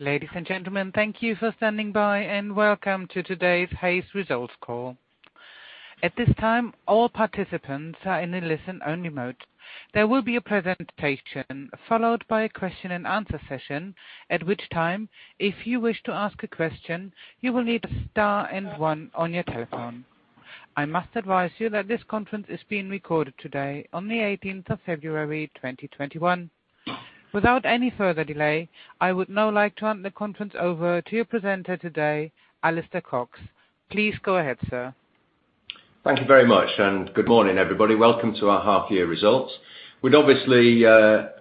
Ladies and gentlemen, thank you for standing by, and welcome to today's Hays results call. At this time all participants are in a only listen mode. There will be a presentation followed by question and answer session. At which time if you wish to ask a question you will need star and one on your telephone. I must advise you that this conference is being recorded today on the 18th of February 2021. Without any further delay, I would now like to hand the conference over to your presenter today, Alistair Cox. Please go ahead, sir. Thank you very much, and good morning, everybody. Welcome to our half year results. We'd obviously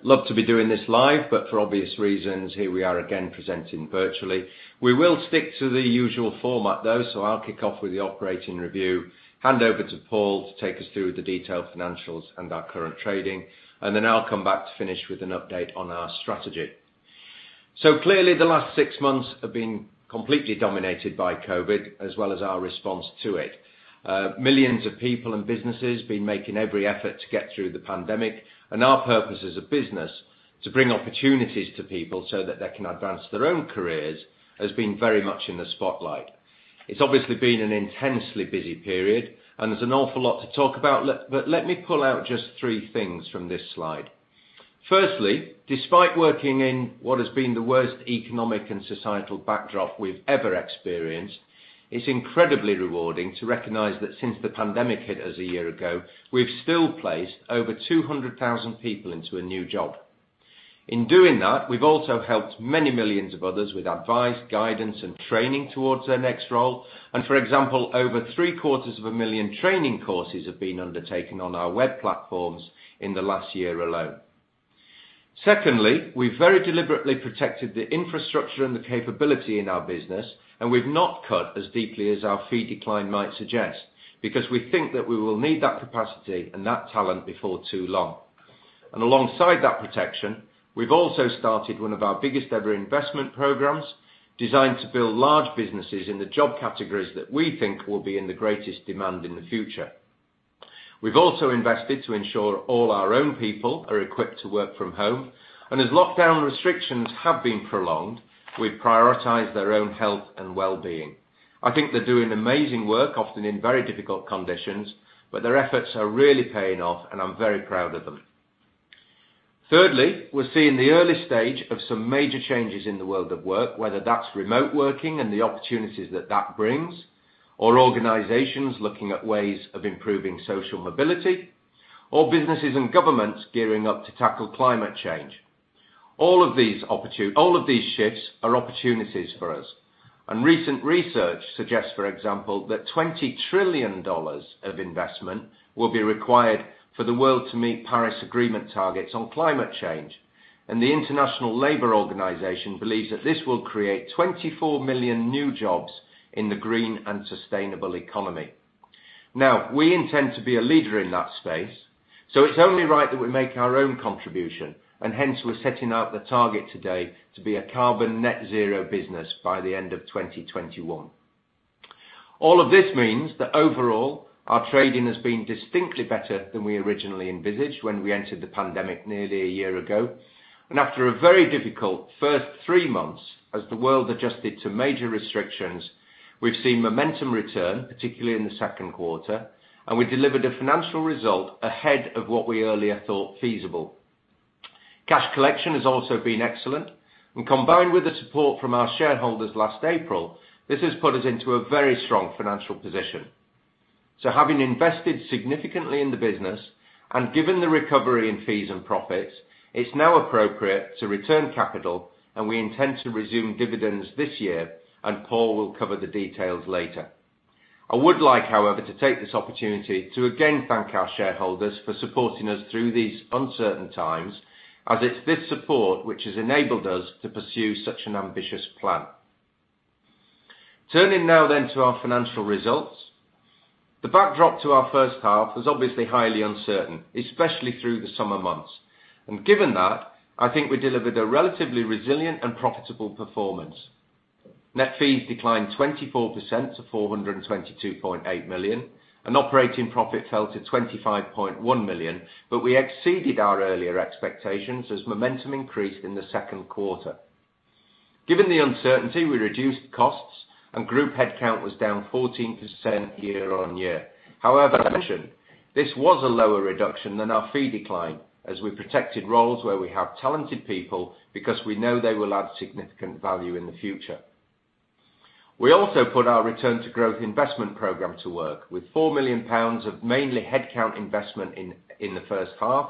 love to be doing this live, but for obvious reasons, here we are again presenting virtually. We will stick to the usual format, though. I'll kick off with the operating review, hand over to Paul to take us through the detailed financials and our current trading, and then I'll come back to finish with an update on our strategy. Clearly, the last six months have been completely dominated by COVID as well as our response to it. Millions of people and businesses been making every effort to get through the pandemic, and our purpose as a business to bring opportunities to people so that they can advance their own careers has been very much in the spotlight. It's obviously been an intensely busy period, and there's an awful lot to talk about. Let me pull out just three things from this slide. Firstly, despite working in what has been the worst economic and societal backdrop we’ve ever experienced, it’s incredibly rewarding to recognize that since the pandemic hit us a year ago, we’ve still placed over 200,000 people into a new job. In doing that, we’ve also helped many millions of others with advice, guidance, and training towards their next role. For example, over three-quarters of a million training courses have been undertaken on our web platforms in the last year alone. Secondly, we very deliberately protected the infrastructure and the capability in our business, we’ve not cut as deeply as our fee decline might suggest, because we think that we will need that capacity and that talent before too long. Alongside that protection, we've also started one of our biggest ever investment programs designed to build large businesses in the job categories that we think will be in the greatest demand in the future. We've also invested to ensure all our own people are equipped to work from home, and as lockdown restrictions have been prolonged, we've prioritized their own health and well-being. I think they're doing amazing work, often in very difficult conditions, but their efforts are really paying off, and I'm very proud of them. Thirdly, we're seeing the early stage of some major changes in the world of work, whether that's remote working and the opportunities that that brings, or organizations looking at ways of improving social mobility, or businesses and governments gearing up to tackle climate change. All of these shifts are opportunities for us. Recent research suggests, for example, that GBP 20 trillion of investment will be required for the world to meet Paris Agreement targets on climate change. The International Labour Organization believes that this will create 24 million new jobs in the green and sustainable economy. Now, we intend to be a leader in that space, so it's only right that we make our own contribution, and hence we're setting out the target today to be a carbon net zero business by the end of 2021. All of this means that overall, our trading has been distinctly better than we originally envisaged when we entered the pandemic nearly a year ago. After a very difficult first three months as the world adjusted to major restrictions, we've seen momentum return, particularly in the second quarter, and we delivered a financial result ahead of what we earlier thought feasible. Cash collection has also been excellent and combined with the support from our shareholders last April, this has put us into a very strong financial position. Having invested significantly in the business and given the recovery in fees and profits, it's now appropriate to return capital, and we intend to resume dividends this year, and Paul will cover the details later. I would like, however, to take this opportunity to again thank our shareholders for supporting us through these uncertain times as it's this support which has enabled us to pursue such an ambitious plan. Turning now to our financial results. The backdrop to our first half was obviously highly uncertain, especially through the summer months. Given that, I think we delivered a relatively resilient and profitable performance. Net fees declined 24% to 422.8 million, and operating profit fell to 25.1 million, we exceeded our earlier expectations as momentum increased in the second quarter. Given the uncertainty, we reduced costs and group headcount was down 14% year-on-year. I mentioned this was a lower reduction than our fee decline as we protected roles where we have talented people because we know they will add significant value in the future. We also put our Return to Growth investment program to work with 4 million pounds of mainly headcount investment in the first half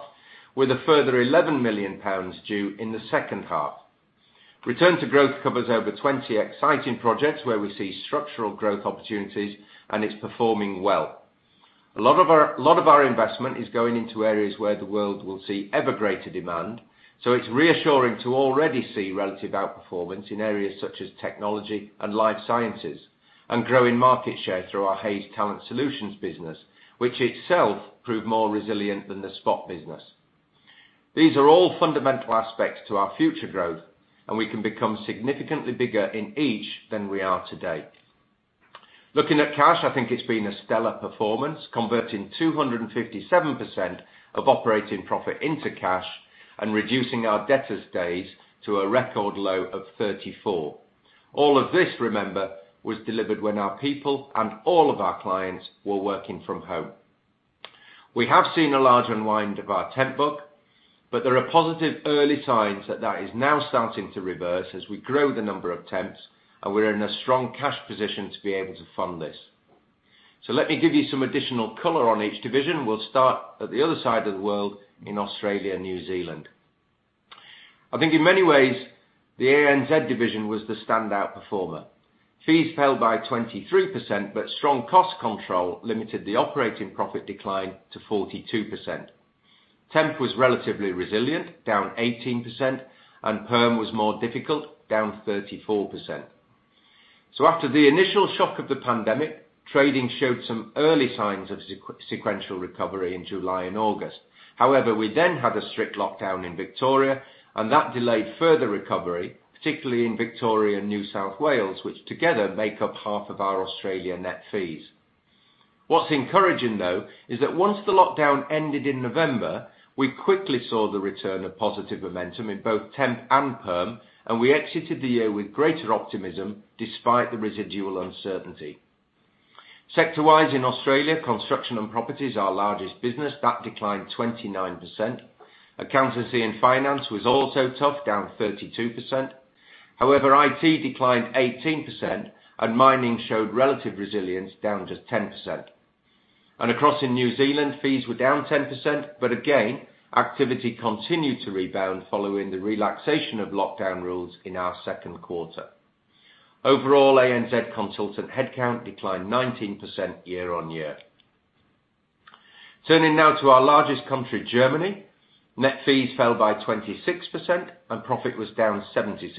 with a further 11 million pounds due in the second half. Return to Growth covers over 20 exciting projects where we see structural growth opportunities, it's performing well. A lot of our investment is going into areas where the world will see ever greater demand, so it's reassuring to already see relative outperformance in areas such as technology and life sciences and growing market share through our Hays Talent Solutions business, which itself proved more resilient than the spot business. These are all fundamental aspects to our future growth, and we can become significantly bigger in each than we are today. Looking at cash, I think it's been a stellar performance, converting 257% of operating profit into cash and reducing our debtors days to a record low of 34. All of this, remember, was delivered when our people and all of our clients were working from home. We have seen a large unwind of our temp book, but there are positive early signs that that is now starting to reverse as we grow the number of temps, and we're in a strong cash position to be able to fund this. Let me give you some additional color on each division. We'll start at the other side of the world in Australia and New Zealand. I think in many ways the ANZ division was the standout performer. Fees fell by 23%, but strong cost control limited the operating profit decline to 42%. Temp was relatively resilient, down 18%, and perm was more difficult, down 34%. After the initial shock of the pandemic, trading showed some early signs of sequential recovery in July and August. However, we then had a strict lockdown in Victoria and that delayed further recovery, particularly in Victoria and New South Wales, which together make up half of our Australia net fees. What's encouraging, though, is that once the lockdown ended in November, we quickly saw the return of positive momentum in both temp and perm, and we exited the year with greater optimism despite the residual uncertainty. Sector-wise in Australia, Construction and Property is our largest business. That declined 29%. Accountancy and finance was also tough, down 32%. However, IT declined 18% and mining showed relative resilience, down just 10%. Across in New Zealand, fees were down 10%, but again, activity continued to rebound following the relaxation of lockdown rules in our second quarter. Overall, ANZ consultant headcount declined 19% year-on-year. Turning now to our largest country, Germany, net fees fell by 26% and profit was down 76%.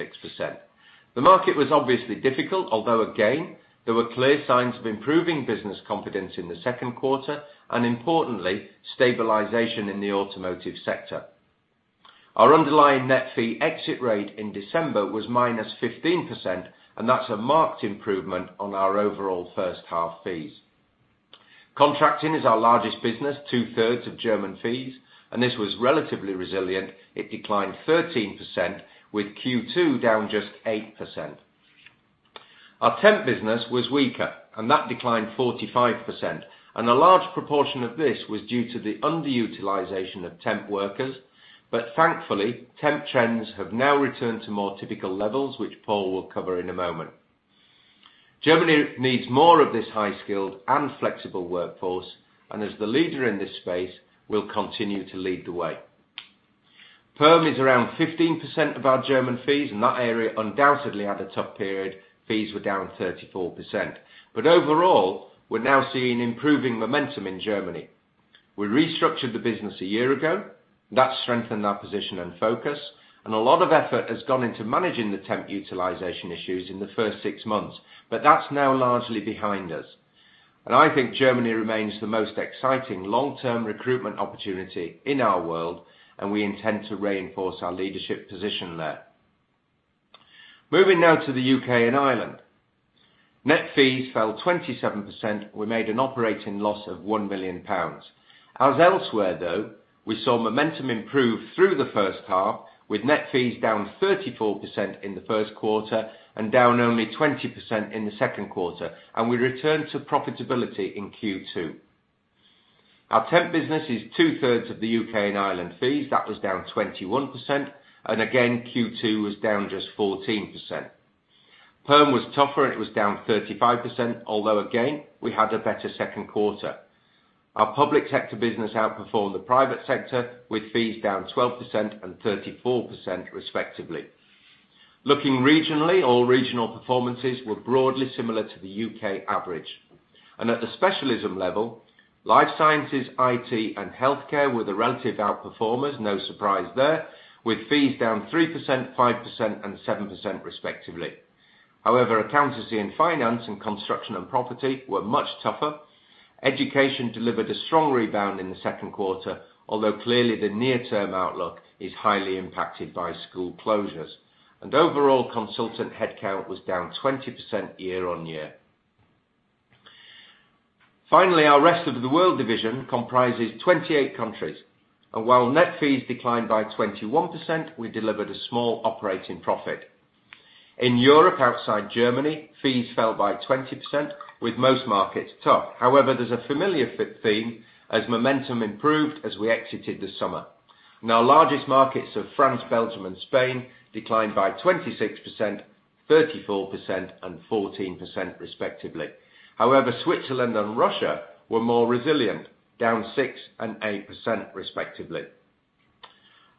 The market was obviously difficult, although again, there were clear signs of improving business confidence in the second quarter and importantly, stabilization in the automotive sector. Our underlying net fee exit rate in December was -15%. That's a marked improvement on our overall first half fees. Contracting is our largest business, two-thirds of German fees. This was relatively resilient. It declined 13%, with Q2 down just 8%. Our temp business was weaker. That declined 45%. A large proportion of this was due to the underutilization of temp workers. Thankfully, temp trends have now returned to more typical levels, which Paul will cover in a moment. Germany needs more of this high skilled and flexible workforce. As the leader in this space, we'll continue to lead the way. Perm is around 15% of our German fees. That area undoubtedly had a tough period. Fees were down 34%. Overall, we're now seeing improving momentum in Germany. We restructured the business a year ago. That strengthened our position and focus, and a lot of effort has gone into managing the temp utilization issues in the first six months, but that's now largely behind us. I think Germany remains the most exciting long-term recruitment opportunity in our world, and we intend to reinforce our leadership position there. Moving now to the U.K. and Ireland. Net fees fell 27%. We made an operating loss of 1 million pounds. As elsewhere, though, we saw momentum improve through the first half, with net fees down 34% in the first quarter and down only 20% in the second quarter, and we returned to profitability in Q2. Our temp business is two-thirds of the U.K. and Ireland fees. That was down 21% and again, Q2 was down just 14%. Perm was tougher. It was down 35%, although again, we had a better second quarter. Our public sector business outperformed the private sector with fees down 12% and 34% respectively. Looking regionally, all regional performances were broadly similar to the U.K. average. At the specialism level, life sciences, IT, and healthcare were the relative outperformers, no surprise there, with fees down 3%, 5% and 7% respectively. However, accountancy and finance and Construction & Property were much tougher. Education delivered a strong rebound in the second quarter, although clearly the near-term outlook is highly impacted by school closures. Overall consultant headcount was down 20% year-on-year. Finally, our rest of the world division comprises 28 countries, and while net fees declined by 21%, we delivered a small operating profit. In Europe outside Germany, fees fell by 20% with most markets tough. There's a familiar theme as momentum improved as we exited the summer. Our largest markets of France, Belgium and Spain declined by 26%, 34% and 14% respectively. Switzerland and Russia were more resilient, down 6% and 8% respectively.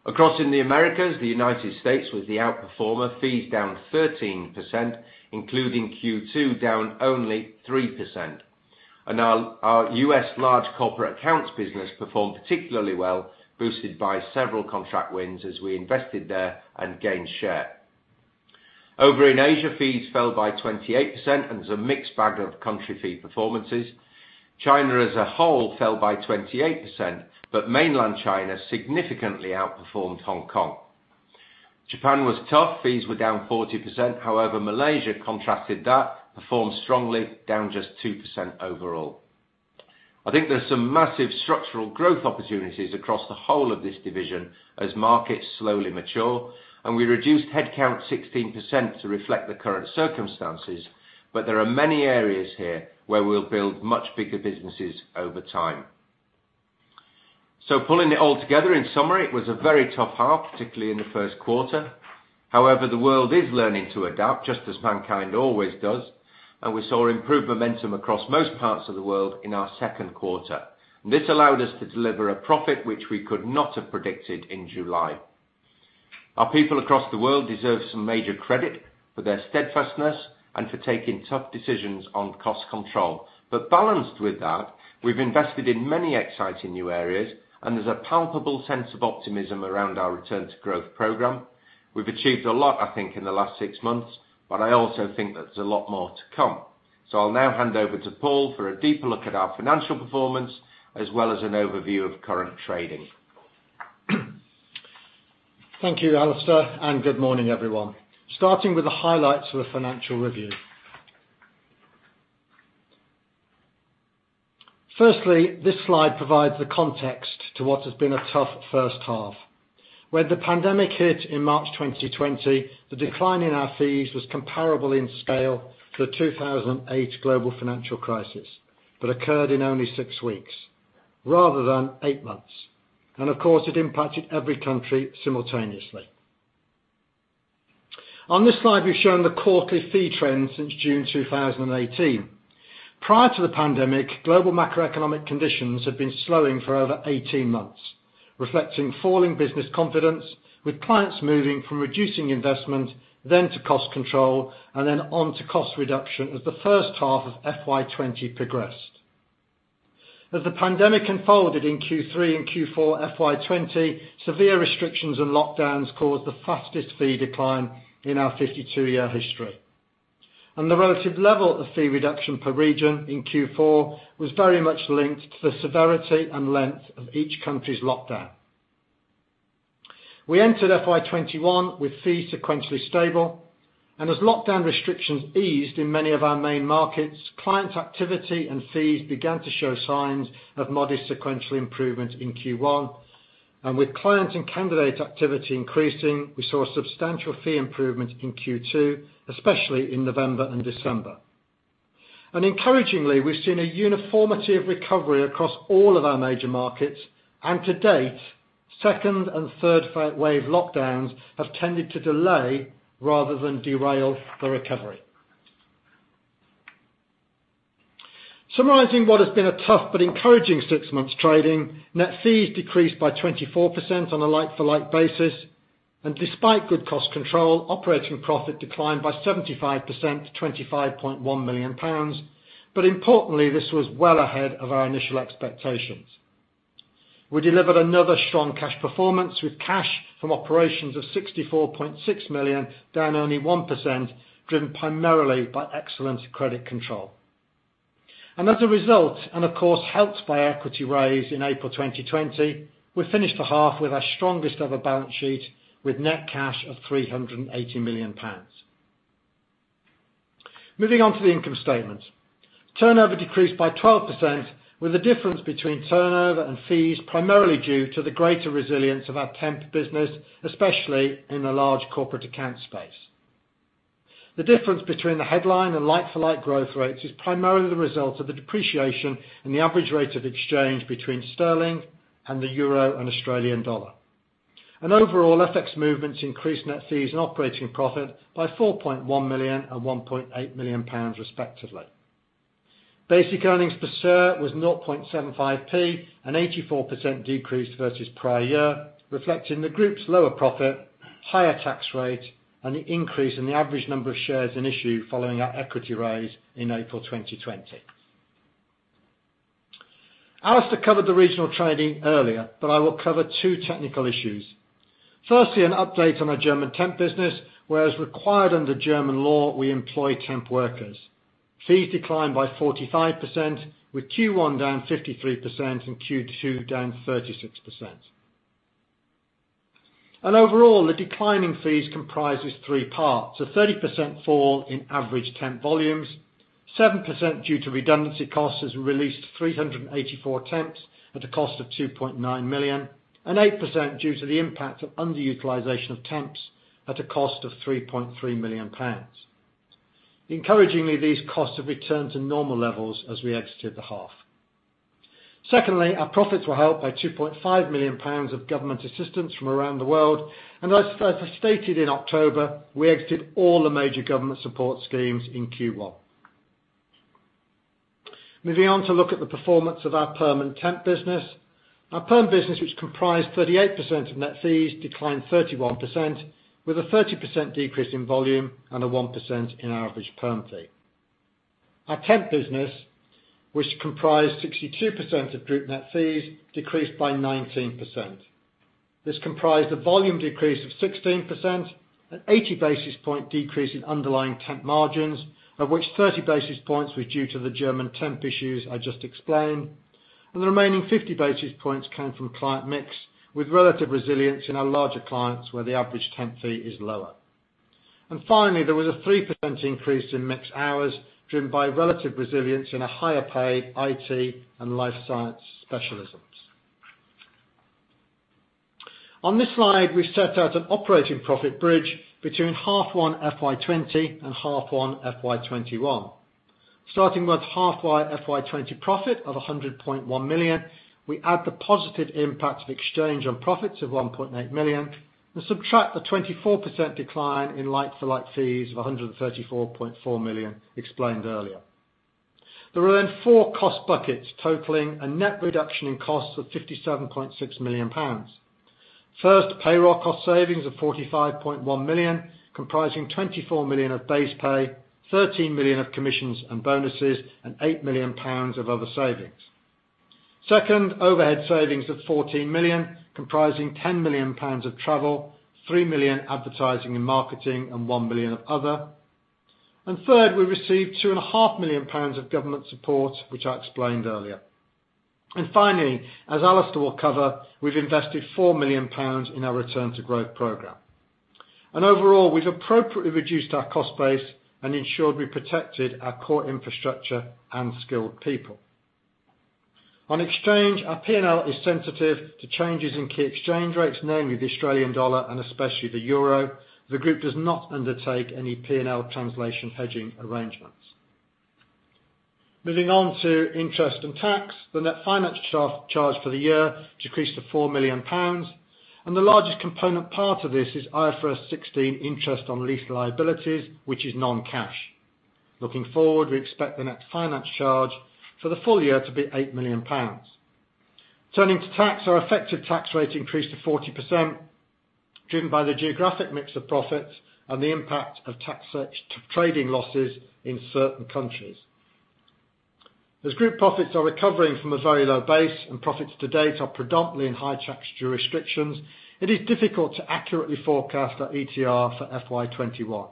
Across in the Americas, the U.S. was the outperformer, fees down 13%, including Q2 down only 3%. Our U.S. large corporate accounts business performed particularly well, boosted by several contract wins as we invested there and gained share. Over in Asia, fees fell by 28% and there was a mixed bag of country fee performances. China as a whole fell by 28%, but mainland China significantly outperformed Hong Kong. Japan was tough. Fees were down 40%. Malaysia contrasted that, performed strongly, down just 2% overall. I think there's some massive structural growth opportunities across the whole of this division as markets slowly mature. We reduced headcount 16% to reflect the current circumstances. There are many areas here where we'll build much bigger businesses over time. Pulling it all together, in summary, it was a very tough half, particularly in the first quarter. However, the world is learning to adapt, just as mankind always does, and we saw improved momentum across most parts of the world in our second quarter. This allowed us to deliver a profit which we could not have predicted in July. Our people across the world deserve some major credit for their steadfastness and for taking tough decisions on cost control. Balanced with that, we've invested in many exciting new areas, and there's a palpable sense of optimism around our Return to Growth program. We've achieved a lot, I think, in the last six months. I also think there's a lot more to come. I'll now hand over to Paul for a deeper look at our financial performance as well as an overview of current trading. Thank you, Alistair, and good morning, everyone. Starting with the highlights of the financial review. Firstly, this slide provides the context to what has been a tough first half. When the pandemic hit in March 2020, the decline in our fees was comparable in scale to the 2008 global financial crisis but occurred in only six weeks rather than eight months. Of course, it impacted every country simultaneously. On this slide, we've shown the quarterly fee trends since June 2018. Prior to the pandemic, global macroeconomic conditions had been slowing for over 18 months, reflecting falling business confidence, with clients moving from reducing investment, then to cost control, and then on to cost reduction as the first half of FY 2020 progressed. As the pandemic unfolded in Q3 and Q4 FY 2020, severe restrictions and lockdowns caused the fastest fee decline in our 52-year history. The relative level of fee reduction per region in Q4 was very much linked to the severity and length of each country's lockdown. We entered FY 2021 with fees sequentially stable, and as lockdown restrictions eased in many of our main markets, client activity and fees began to show signs of modest sequential improvement in Q1. With client and candidate activity increasing, we saw substantial fee improvement in Q2, especially in November and December. Encouragingly, we've seen a uniformity of recovery across all of our major markets. To date, second and third wave lockdowns have tended to delay rather than derail the recovery. Summarizing what has been a tough but encouraging six months trading, net fees decreased by 24% on a like-for-like basis. Despite good cost control, operating profit declined by 75% to 25.1 million pounds. Importantly, this was well ahead of our initial expectations. We delivered another strong cash performance with cash from operations of 64.6 million, down only 1%, driven primarily by excellent credit control. As a result, and of course, helped by equity raise in April 2020, we finished the half with our strongest ever balance sheet with net cash of 380 million pounds. Moving on to the income statement. Turnover decreased by 12%, with the difference between turnover and fees primarily due to the greater resilience of our temp business, especially in the large corporate account space. The difference between the headline and like-for-like growth rates is primarily the result of the depreciation in the average rate of exchange between sterling and the euro and Australian dollar. Overall, FX movements increased net fees and operating profit by 4.1 million and 1.8 million pounds, respectively. Basic earnings per share was 0.75p, an 84% decrease versus prior year, reflecting the group's lower profit, higher tax rate, and the increase in the average number of shares in issue following our equity raise in April 2020. Alistair covered the regional trading earlier, but I will cover two technical issues. Firstly, an update on our German temp business, where as required under German law, we employ temp workers. Fees declined by 45%, with Q1 down 53% and Q2 down 36%. Overall, the decline in fees comprises three parts: a 30% fall in average temp volumes, 7% due to redundancy costs as we released 384 temps at a cost of 2.9 million, and 8% due to the impact of underutilization of temps at a cost of 3.3 million pounds. Encouragingly, these costs have returned to normal levels as we exited the half. Secondly, our profits were helped by 2.5 million pounds of government assistance from around the world. As stated in October, we exited all the major government support schemes in Q1. Moving on to look at the performance of our perm and temp business. Our perm business, which comprised 38% of net fees, declined 31%, with a 30% decrease in volume and a 1% in average perm fee. Our temp business, which comprised 62% of group net fees, decreased by 19%. This comprised a volume decrease of 16%, an 80 basis point decrease in underlying temp margins, of which 30 basis points was due to the German temp issues I just explained. The remaining 50 basis points came from client mix, with relative resilience in our larger clients where the average temp fee is lower. Finally, there was a 3% increase in mixed hours, driven by relative resilience in a higher pay IT and life science specialisms. On this slide, we set out an operating profit bridge between half one FY 2020 and half one FY 2021. Starting with half one FY 2020 profit of 100.1 million, we add the positive impact of exchange on profits of 1.8 million and subtract the 24% decline in like-for-like fees of 134.4 million explained earlier. There are four cost buckets totaling a net reduction in costs of 57.6 million pounds. First, payroll cost savings of 45.1 million, comprising 24 million of base pay, 13 million of commissions and bonuses, and 8 million pounds of other savings. Second, overhead savings of 14 million, comprising 10 million pounds of travel, 3 million advertising and marketing, and 1 million of other. Third, we received 2.5 million pounds of government support, which I explained earlier. Finally, as Alistair will cover, we've invested 4 million pounds in our Return to Growth program. Overall, we've appropriately reduced our cost base and ensured we protected our core infrastructure and skilled people. On exchange, our P&L is sensitive to changes in key exchange rates, namely the Australian dollar and especially the euro. The group does not undertake any P&L translation hedging arrangements. Moving on to interest and tax, the net finance charge for the year decreased to 4 million pounds, and the largest component part of this is IFRS 16 interest on lease liabilities, which is non-cash. Looking forward, we expect the net finance charge for the full year to be 8 million pounds. Turning to tax, our effective tax rate increased to 40%, driven by the geographic mix of profits and the impact of tax trading losses in certain countries. As group profits are recovering from a very low base and profits to date are predominantly in high tax jurisdictions, it is difficult to accurately forecast our ETR for FY 2021.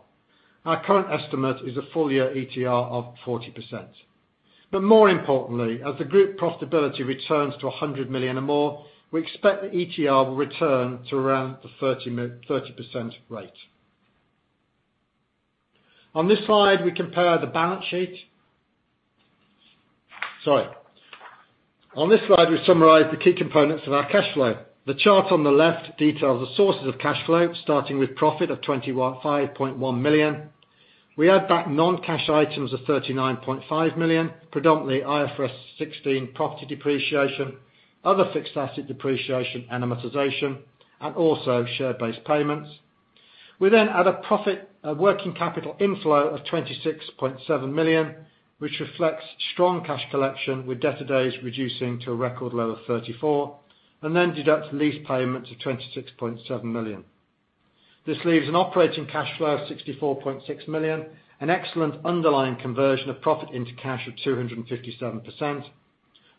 Our current estimate is a full-year ETR of 40%. More importantly, as the group profitability returns to 100 million or more, we expect the ETR will return to around the 30% rate. On this slide, we compare the balance sheet. Sorry. On this slide, we summarize the key components of our cash flow. The chart on the left details the sources of cash flow, starting with profit of 25.1 million. We add back non-cash items of 39.5 million, predominantly IFRS 16 property depreciation, other fixed asset depreciation and amortization, and also share-based payments. We then add a profit working capital inflow of 26.7 million, which reflects strong cash collection with debtor days reducing to a record low of 34, then deduct lease payments of 26.7 million. This leaves an operating cash flow of 64.6 million, an excellent underlying conversion of profit into cash of 257%.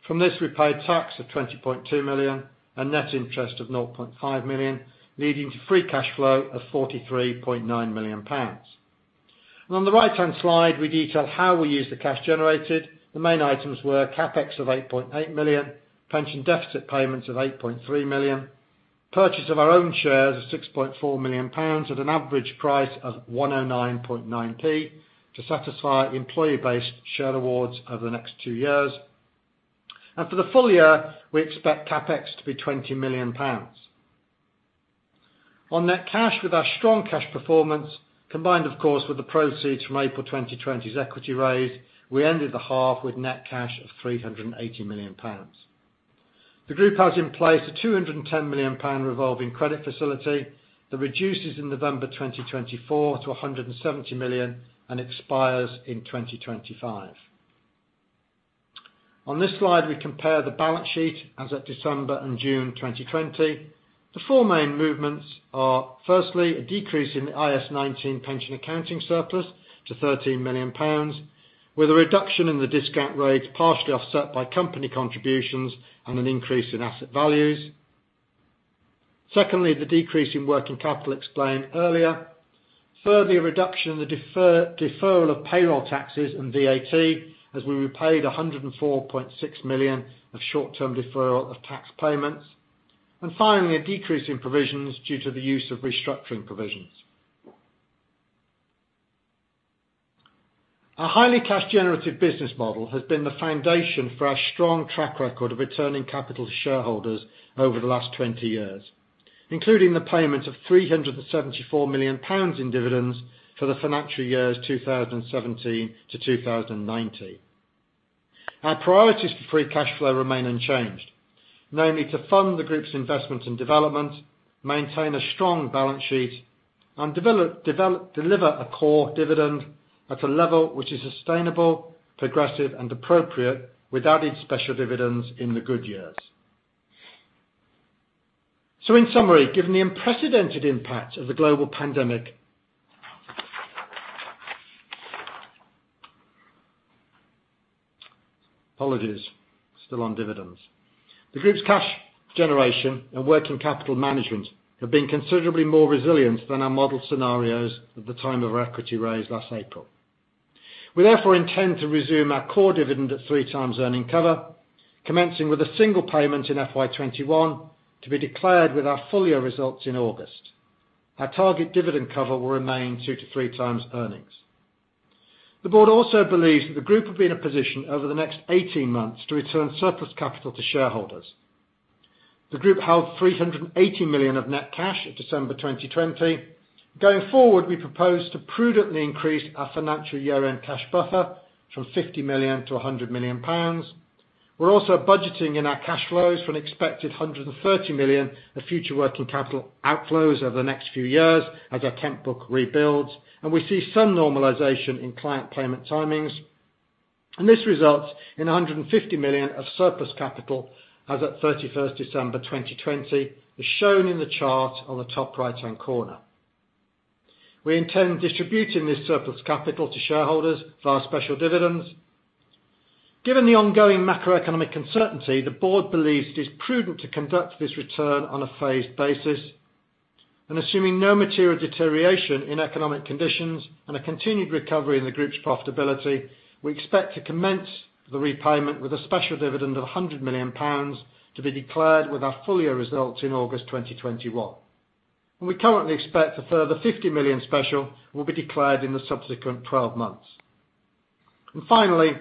From this, we paid tax of 20.2 million and net interest of 0.5 million, leading to free cash flow of 43.9 million pounds. On the right-hand slide, we detail how we use the cash generated. The main items were CapEx of 8.8 million, pension deficit payments of 8.3 million, purchase of our own shares of 6.4 million pounds at an average price of 1.099 to satisfy employee-based share awards over the next two years. For the full year, we expect CapEx to be 20 million pounds. On net cash with our strong cash performance, combined of course with the proceeds from April 2020's equity raise, we ended the half with net cash of 380 million pounds. The group has in place a 210 million pound revolving credit facility that reduces in November 2024 to 170 million and expires in 2025. On this slide, we compare the balance sheet as at December and June 2020. The four main movements are firstly, a decrease in the IAS 19 pension accounting surplus to 13 million pounds, with a reduction in the discount rates partially offset by company contributions and an increase in asset values. Secondly, the decrease in working capital explained earlier. Thirdly, a reduction in the deferral of payroll taxes and VAT, as we repaid 104.6 million of short-term deferral of tax payments. And finally, a decrease in provisions due to the use of restructuring provisions. Our highly cash generative business model has been the foundation for our strong track record of returning capital to shareholders over the last 20 years, including the payment of 374 million pounds in dividends for the financial years 2017 to 2019. Our priorities for free cash flow remain unchanged, namely, to fund the group's investment and development, maintain a strong balance sheet, and deliver a core dividend at a level which is sustainable, progressive, and appropriate with added special dividends in the good years. In summary, given the unprecedented impact of the global pandemic Apologies, still on dividends. The group's cash generation and working capital management have been considerably more resilient than our model scenarios at the time of our equity raise last April. We therefore intend to resume our core dividend at 3x earning cover, commencing with a single payment in FY 2021, to be declared with our full year results in August. Our target dividend cover will remain 2x-3x earnings. The board also believes that the group will be in a position over the next 18 months to return surplus capital to shareholders. The group held 380 million of net cash at December 2020. Going forward, we propose to prudently increase our financial year-end cash buffer from 50 million to 100 million pounds. We're also budgeting in our cash flows for an expected 130 million of future working capital outflows over the next few years as our temp book rebuilds, and we see some normalization in client payment timings. This results in 150 million of surplus capital as at 31st December 2020, as shown in the chart on the top right-hand corner. We intend distributing this surplus capital to shareholders via special dividends. Given the ongoing macroeconomic uncertainty, the board believes it is prudent to conduct this return on a phased basis. Assuming no material deterioration in economic conditions and a continued recovery in the group's profitability, we expect to commence the repayment with a special dividend of 100 million pounds to be declared with our full year results in August 2021. We currently expect a further 50 million special will be declared in the subsequent 12 months. Finally,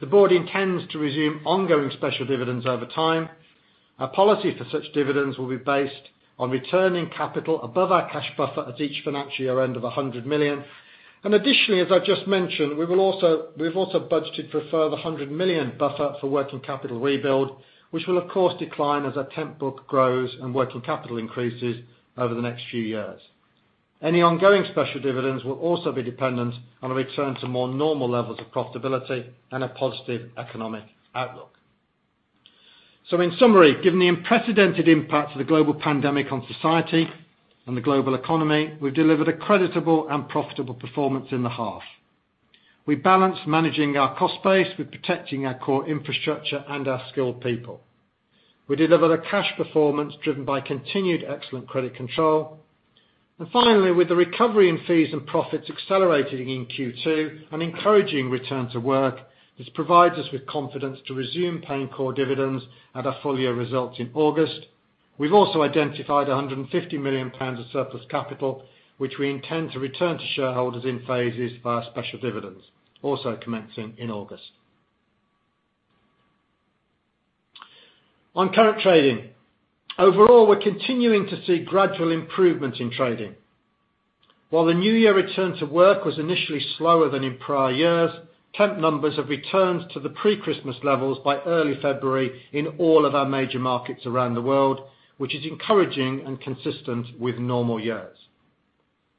the board intends to resume ongoing special dividends over time. Our policy for such dividends will be based on returning capital above our cash buffer at each financial year-end of 100 million. Additionally, as I've just mentioned, we've also budgeted for a further 100 million buffer for working capital rebuild, which will, of course, decline as our temp book grows and working capital increases over the next few years. Any ongoing special dividends will also be dependent on a return to more normal levels of profitability and a positive economic outlook. In summary, given the unprecedented impact of the global pandemic on society and the global economy, we've delivered a creditable and profitable performance in the half. We balanced managing our cost base with protecting our core infrastructure and our skilled people. We delivered a cash performance driven by continued excellent credit control. Finally, with the recovery in fees and profits accelerating in Q2, an encouraging return to work, this provides us with confidence to resume paying core dividends at our full year results in August. We've also identified 150 million pounds of surplus capital, which we intend to return to shareholders in phases via special dividends, also commencing in August. Current trading, overall, we're continuing to see gradual improvement in trading. While the new year return to work was initially slower than in prior years, temp numbers have returned to the pre-Christmas levels by early February in all of our major markets around the world, which is encouraging and consistent with normal years.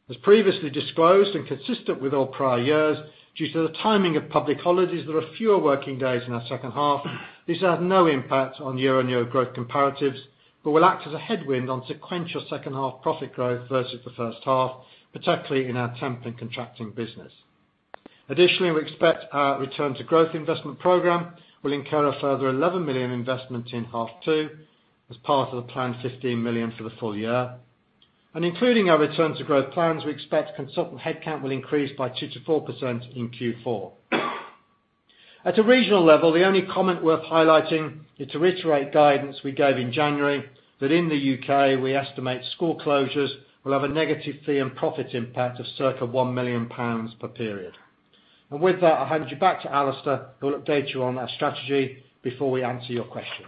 As previously disclosed and consistent with all prior years, due to the timing of public holidays, there are fewer working days in our second half. This has no impact on year-over-year growth comparatives but will act as a headwind on sequential second half profit growth versus the first half, particularly in our temp and contracting business. Additionally, we expect our Return to Growth investment program will incur a further 11 million investment in half two as part of the planned 15 million for the full year. Including our Return to Growth plans, we expect consultant headcount will increase by 2%-4% in Q4. At a regional level, the only comment worth highlighting is to reiterate guidance we gave in January that in the U.K. we estimate school closures will have a negative fee and profit impact of circa 1 million pounds per period. With that, I'll hand you back to Alistair, who will update you on our strategy before we answer your questions.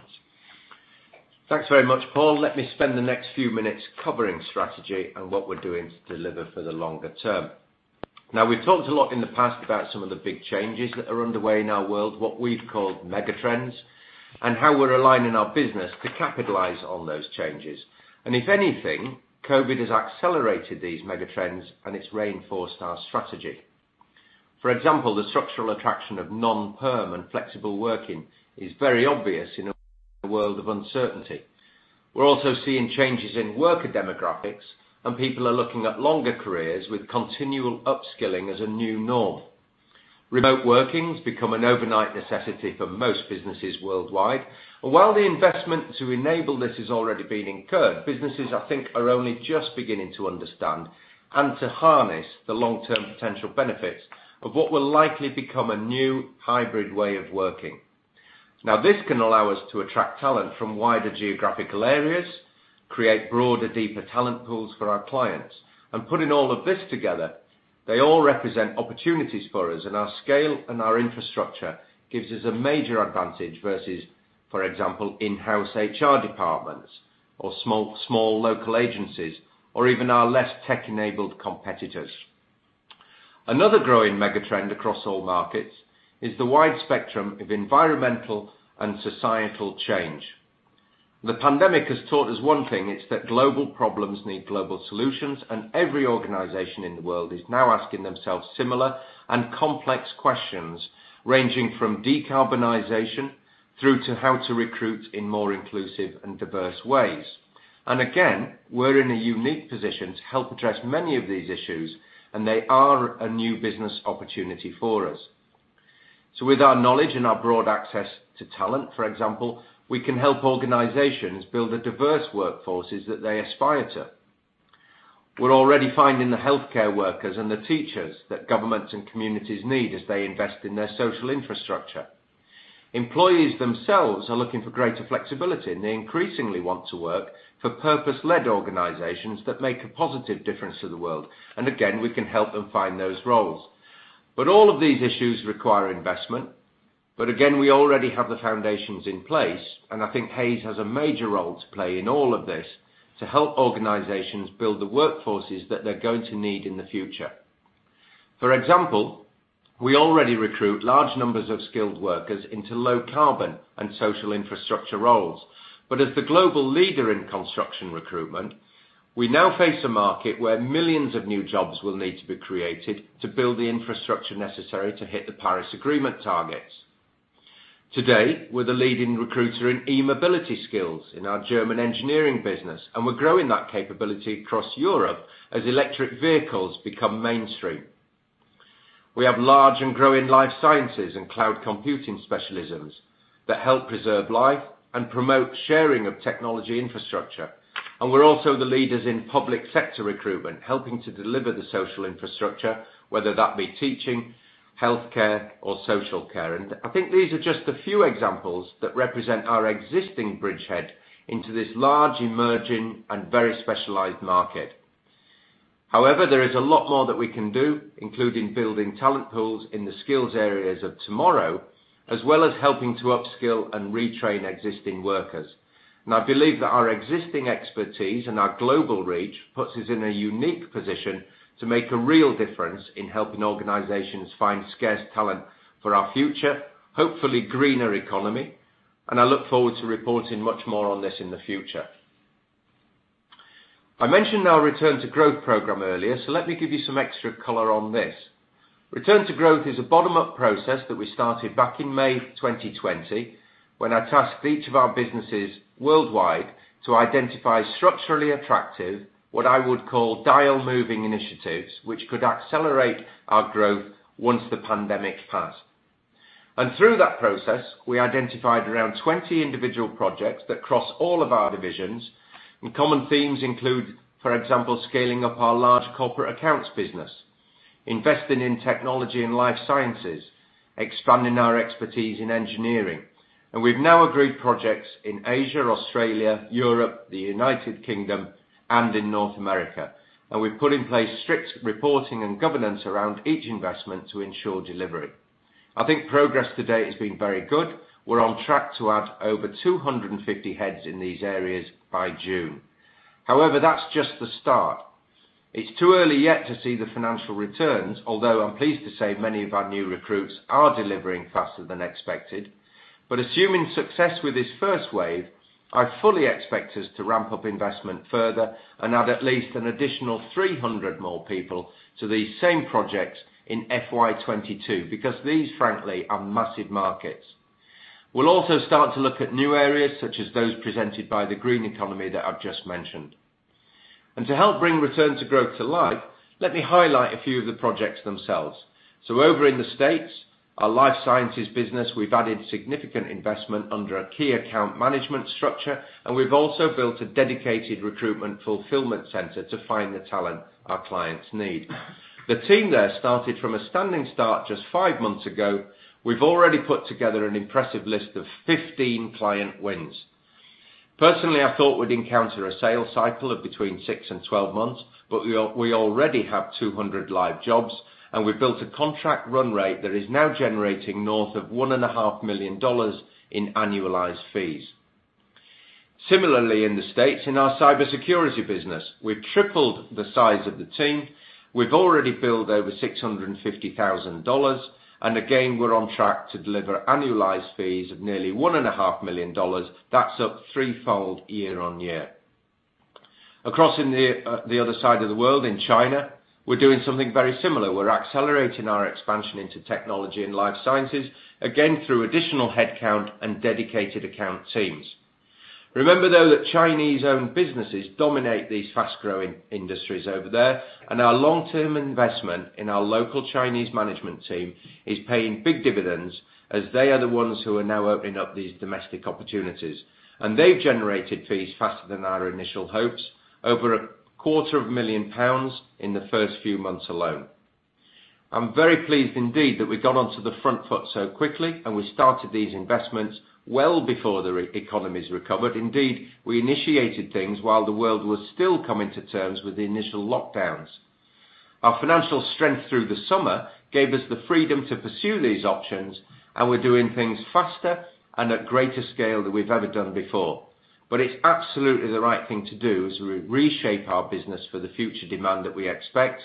Thanks very much, Paul. Let me spend the next few minutes covering strategy and what we're doing to deliver for the longer term. Now, we've talked a lot in the past about some of the big changes that are underway in our world, what we've called megatrends, and how we're aligning our business to capitalize on those changes. If anything, COVID has accelerated these megatrends, and it's reinforced our strategy. For example, the structural attraction of non-perm and flexible working is very obvious in a world of uncertainty. We're also seeing changes in worker demographics, and people are looking at longer careers with continual upskilling as a new norm. Remote working has become an overnight necessity for most businesses worldwide. While the investment to enable this has already been incurred, businesses, I think, are only just beginning to understand and to harness the long-term potential benefits of what will likely become a new hybrid way of working. This can allow us to attract talent from wider geographical areas, create broader, deeper talent pools for our clients. Putting all of this together, they all represent opportunities for us, and our scale and our infrastructure gives us a major advantage versus, for example, in-house HR departments or small local agencies, or even our less tech-enabled competitors. Another growing megatrend across all markets is the wide spectrum of environmental and societal change. If the pandemic has taught us one thing, it's that global problems need global solutions, and every organization in the world is now asking themselves similar and complex questions ranging from decarbonization through to how to recruit in more inclusive and diverse ways. Again, we're in a unique position to help address many of these issues, and they are a new business opportunity for us. With our knowledge and our broad access to talent, for example, we can help organizations build the diverse workforces that they aspire to. We're already finding the healthcare workers and the teachers that governments and communities need as they invest in their social infrastructure. Employees themselves are looking for greater flexibility, and they increasingly want to work for purpose-led organizations that make a positive difference to the world, and again, we can help them find those roles. All of these issues require investment. Again, we already have the foundations in place, and I think Hays has a major role to play in all of this to help organizations build the workforces that they're going to need in the future. For example, we already recruit large numbers of skilled workers into low carbon and social infrastructure roles. As the global leader in construction recruitment, we now face a market where millions of new jobs will need to be created to build the infrastructure necessary to hit the Paris Agreement targets. Today, we're the leading recruiter in e-mobility skills in our German engineering business, and we're growing that capability across Europe as electric vehicles become mainstream. We have large and growing life sciences and cloud computing specialisms that help preserve life and promote sharing of technology infrastructure. We're also the leaders in public sector recruitment, helping to deliver the social infrastructure, whether that be teaching, healthcare, or social care. I think these are just a few examples that represent our existing bridgehead into this large, emerging, and very specialized market. However, there is a lot more that we can do, including building talent pools in the skills areas of tomorrow, as well as helping to upskill and retrain existing workers. I believe that our existing expertise and our global reach puts us in a unique position to make a real difference in helping organizations find scarce talent for our future, hopefully greener economy, and I look forward to reporting much more on this in the future. I mentioned our Return to Growth program earlier, so let me give you some extra color on this. Return to Growth is a bottom-up process that we started back in May 2020, when I tasked each of our businesses worldwide to identify structurally attractive, what I would call dial-moving initiatives, which could accelerate our growth once the pandemic passed. Through that process, we identified around 20 individual projects that cross all of our divisions, and common themes include, for example, scaling up our large corporate accounts business, investing in technology and life sciences, expanding our expertise in engineering. We've now agreed projects in Asia, Australia, Europe, the U.K. and in North America, and we've put in place strict reporting and governance around each investment to ensure delivery. I think progress to date has been very good. We're on track to add over 250 heads in these areas by June. However, that's just the start. It's too early yet to see the financial returns, although I'm pleased to say many of our new recruits are delivering faster than expected. Assuming success with this first wave, I fully expect us to ramp up investment further and add at least an additional 300 more people to these same projects in FY 2022, because these frankly are massive markets. We'll also start to look at new areas such as those presented by the green economy that I've just mentioned. To help bring Return to Growth to life, let me highlight a few of the projects themselves. Over in the States, our life sciences business, we've added significant investment under a key account management structure, and we've also built a dedicated recruitment fulfillment center to find the talent our clients need. The team there started from a standing start just five months ago. We've already put together an impressive list of 15 client wins. Personally, I thought we'd encounter a sales cycle of between six and 12 months, but we already have 200 live jobs, and we've built a contract run rate that is now generating north of $1.5 million in annualized fees. Similarly, in the U.S. in our cybersecurity business, we've tripled the size of the team. We've already billed over $650,000. Again, we're on track to deliver annualized fees of nearly $1.5 million. That's up threefold year-over-year. Across in the other side of the world, in China, we're doing something very similar. We're accelerating our expansion into technology and life sciences, again, through additional headcount and dedicated account teams. Remember, though, that Chinese-owned businesses dominate these fast-growing industries over there. Our long-term investment in our local Chinese management team is paying big dividends, as they are the ones who are now opening up these domestic opportunities. They've generated fees faster than our initial hopes, over a quarter of a million GBP in the first few months alone. I'm very pleased indeed that we got onto the front foot so quickly. We started these investments well before the economies recovered. Indeed, we initiated things while the world was still coming to terms with the initial lockdowns. Our financial strength through the summer gave us the freedom to pursue these options. We're doing things faster and at greater scale than we've ever done before. It's absolutely the right thing to do as we reshape our business for the future demand that we expect.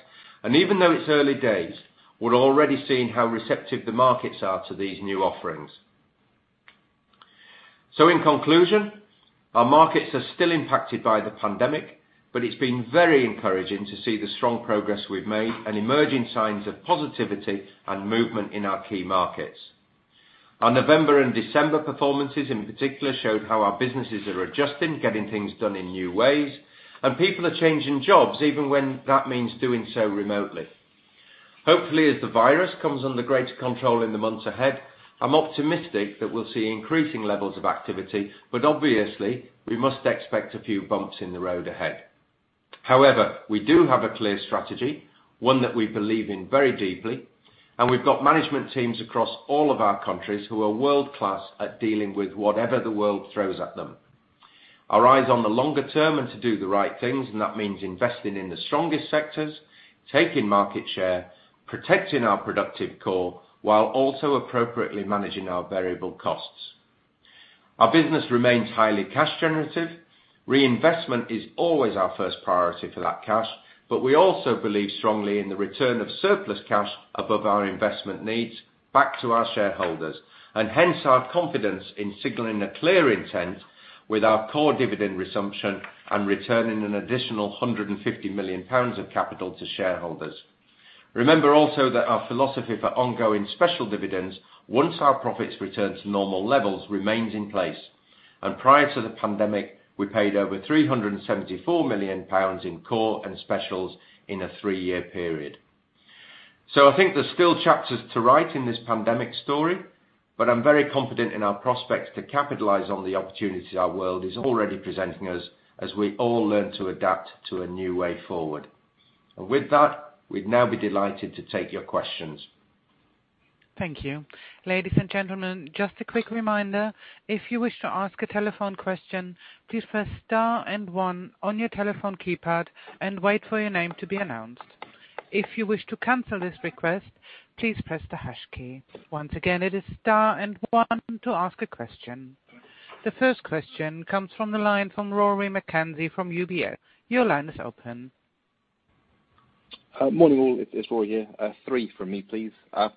Even though it's early days, we're already seeing how receptive the markets are to these new offerings. In conclusion, our markets are still impacted by the pandemic, but it's been very encouraging to see the strong progress we've made and emerging signs of positivity and movement in our key markets. Our November and December performances in particular showed how our businesses are adjusting, getting things done in new ways, and people are changing jobs even when that means doing so remotely. Hopefully, as the virus comes under greater control in the months ahead, I'm optimistic that we'll see increasing levels of activity, but obviously, we must expect a few bumps in the road ahead. However, we do have a clear strategy, one that we believe in very deeply, and we've got management teams across all of our countries who are world-class at dealing with whatever the world throws at them. Our eyes on the longer term and to do the right things, that means investing in the strongest sectors, taking market share, protecting our productive core while also appropriately managing our variable costs. Our business remains highly cash generative. Reinvestment is always our first priority for that cash, we also believe strongly in the return of surplus cash above our investment needs back to our shareholders. Hence our confidence in signaling a clear intent with our core dividend resumption and returning an additional 150 million pounds of capital to shareholders. Remember also that our philosophy for ongoing special dividends, once our profits return to normal levels, remains in place. Prior to the pandemic, we paid over 374 million pounds in core and specials in a three-year period. I think there's still chapters to write in this pandemic story, but I'm very confident in our prospects to capitalize on the opportunities our world is already presenting us as we all learn to adapt to a new way forward. With that, we'd now be delighted to take your questions. Thank you. Ladies and gentlemen just a quick reminder if you wish to ask a telephone question, please press star and one on your telephone keypad and wait for your name to be announced. If you wish to cancel this request, please press the hash key. Once again, its star then one to ask your question. The first question comes from the line from Rory McKenzie from UBS. Your line is open. Morning, all. It's Rory here. Three from me, please.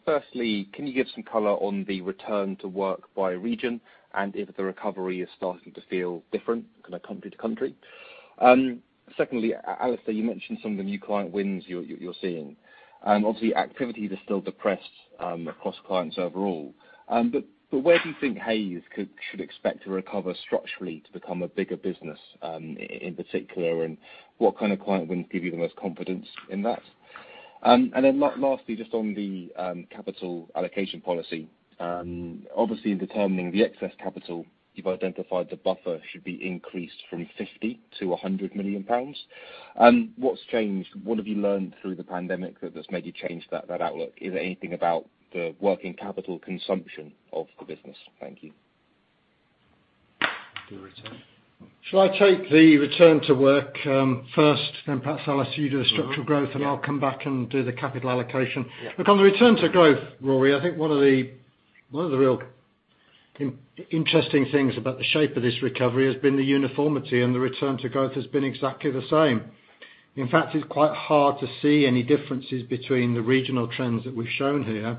Firstly, can you give some color on the return to work by region and if the recovery is starting to feel different kind of country to country? Secondly, Alistair, you mentioned some of the new client wins you're seeing. Obviously, activity is still depressed across clients overall. Where do you think, Hays should expect to recover structurally to become a bigger business, in particular, and what kind of client wins give you the most confidence in that? Lastly, just on the capital allocation policy, obviously determining the excess capital, you've identified the buffer should be increased from 50 million to 100 million pounds. What's changed? What have you learned through the pandemic that has made you change that outlook? Is it anything about the working capital consumption of the business? Thank you. Do you want to? Shall I take the return to work first, then perhaps Alistair, you do structural growth. I'll come back and do the capital allocation. Yeah. Look, on the Return to Growth, Rory, I think one of the real interesting things about the shape of this recovery has been the uniformity and the Return to Growth has been exactly the same. In fact, it's quite hard to see any differences between the regional trends that we've shown here, and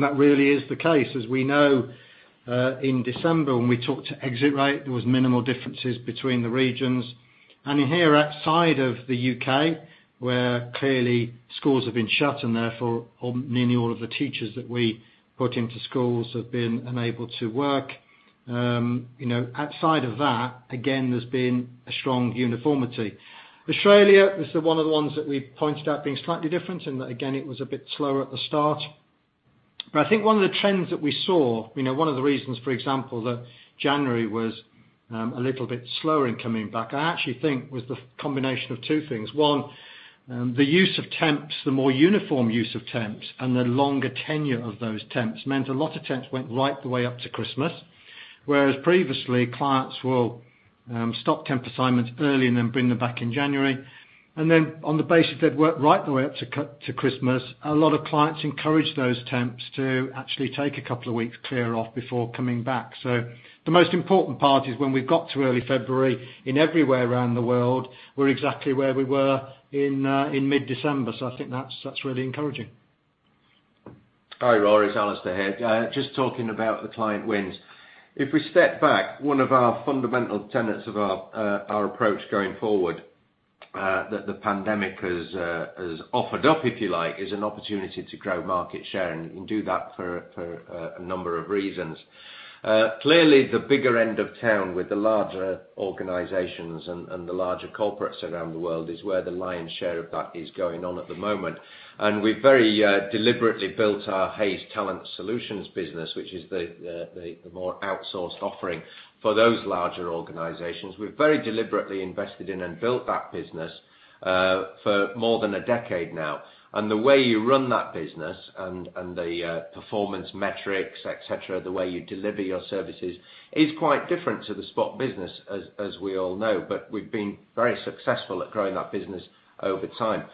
that really is the case. As we know, in December when we talked to exit rate, there was minimal differences between the regions. In here outside of the U.K. where clearly schools have been shut and therefore nearly all of the teachers that we put into schools have been unable to work, outside of that, again, there's been a strong uniformity. Australia is one of the ones that we pointed out being slightly different, and again, it was a bit slower at the start. I think one of the trends that we saw, one of the reasons, for example, that January was a little bit slower in coming back, I actually think was the combination of two things. One, the use of temps, the more uniform use of temps and the longer tenure of those temps meant a lot of temps went right the way up to Christmas, whereas previously, clients will stop temp assignments early and then bring them back in January. On the basis they'd worked right the way up to Christmas, a lot of clients encouraged those temps to actually take a couple of weeks clear off before coming back. The most important part is when we've got to early February in everywhere around the world, we're exactly where we were in mid-December. I think that's really encouraging. Hi, Rory. It's Alistair here. Just talking about the client wins. If we step back, one of our fundamental tenets of our approach going forward, that the pandemic has offered up, if you like, is an opportunity to grow market share, and you can do that for a number of reasons. Clearly, the bigger end of town with the larger organizations and the larger corporates around the world is where the lion's share of that is going on at the moment. We've very deliberately built our Hays Talent Solutions business, which is the more outsourced offering for those larger organizations. We've very deliberately invested in and built that business for more than a decade now. The way you run that business and the performance metrics, et cetera, the way you deliver your services is quite different to the Spot business as we all know. We've been very successful at growing that business over time.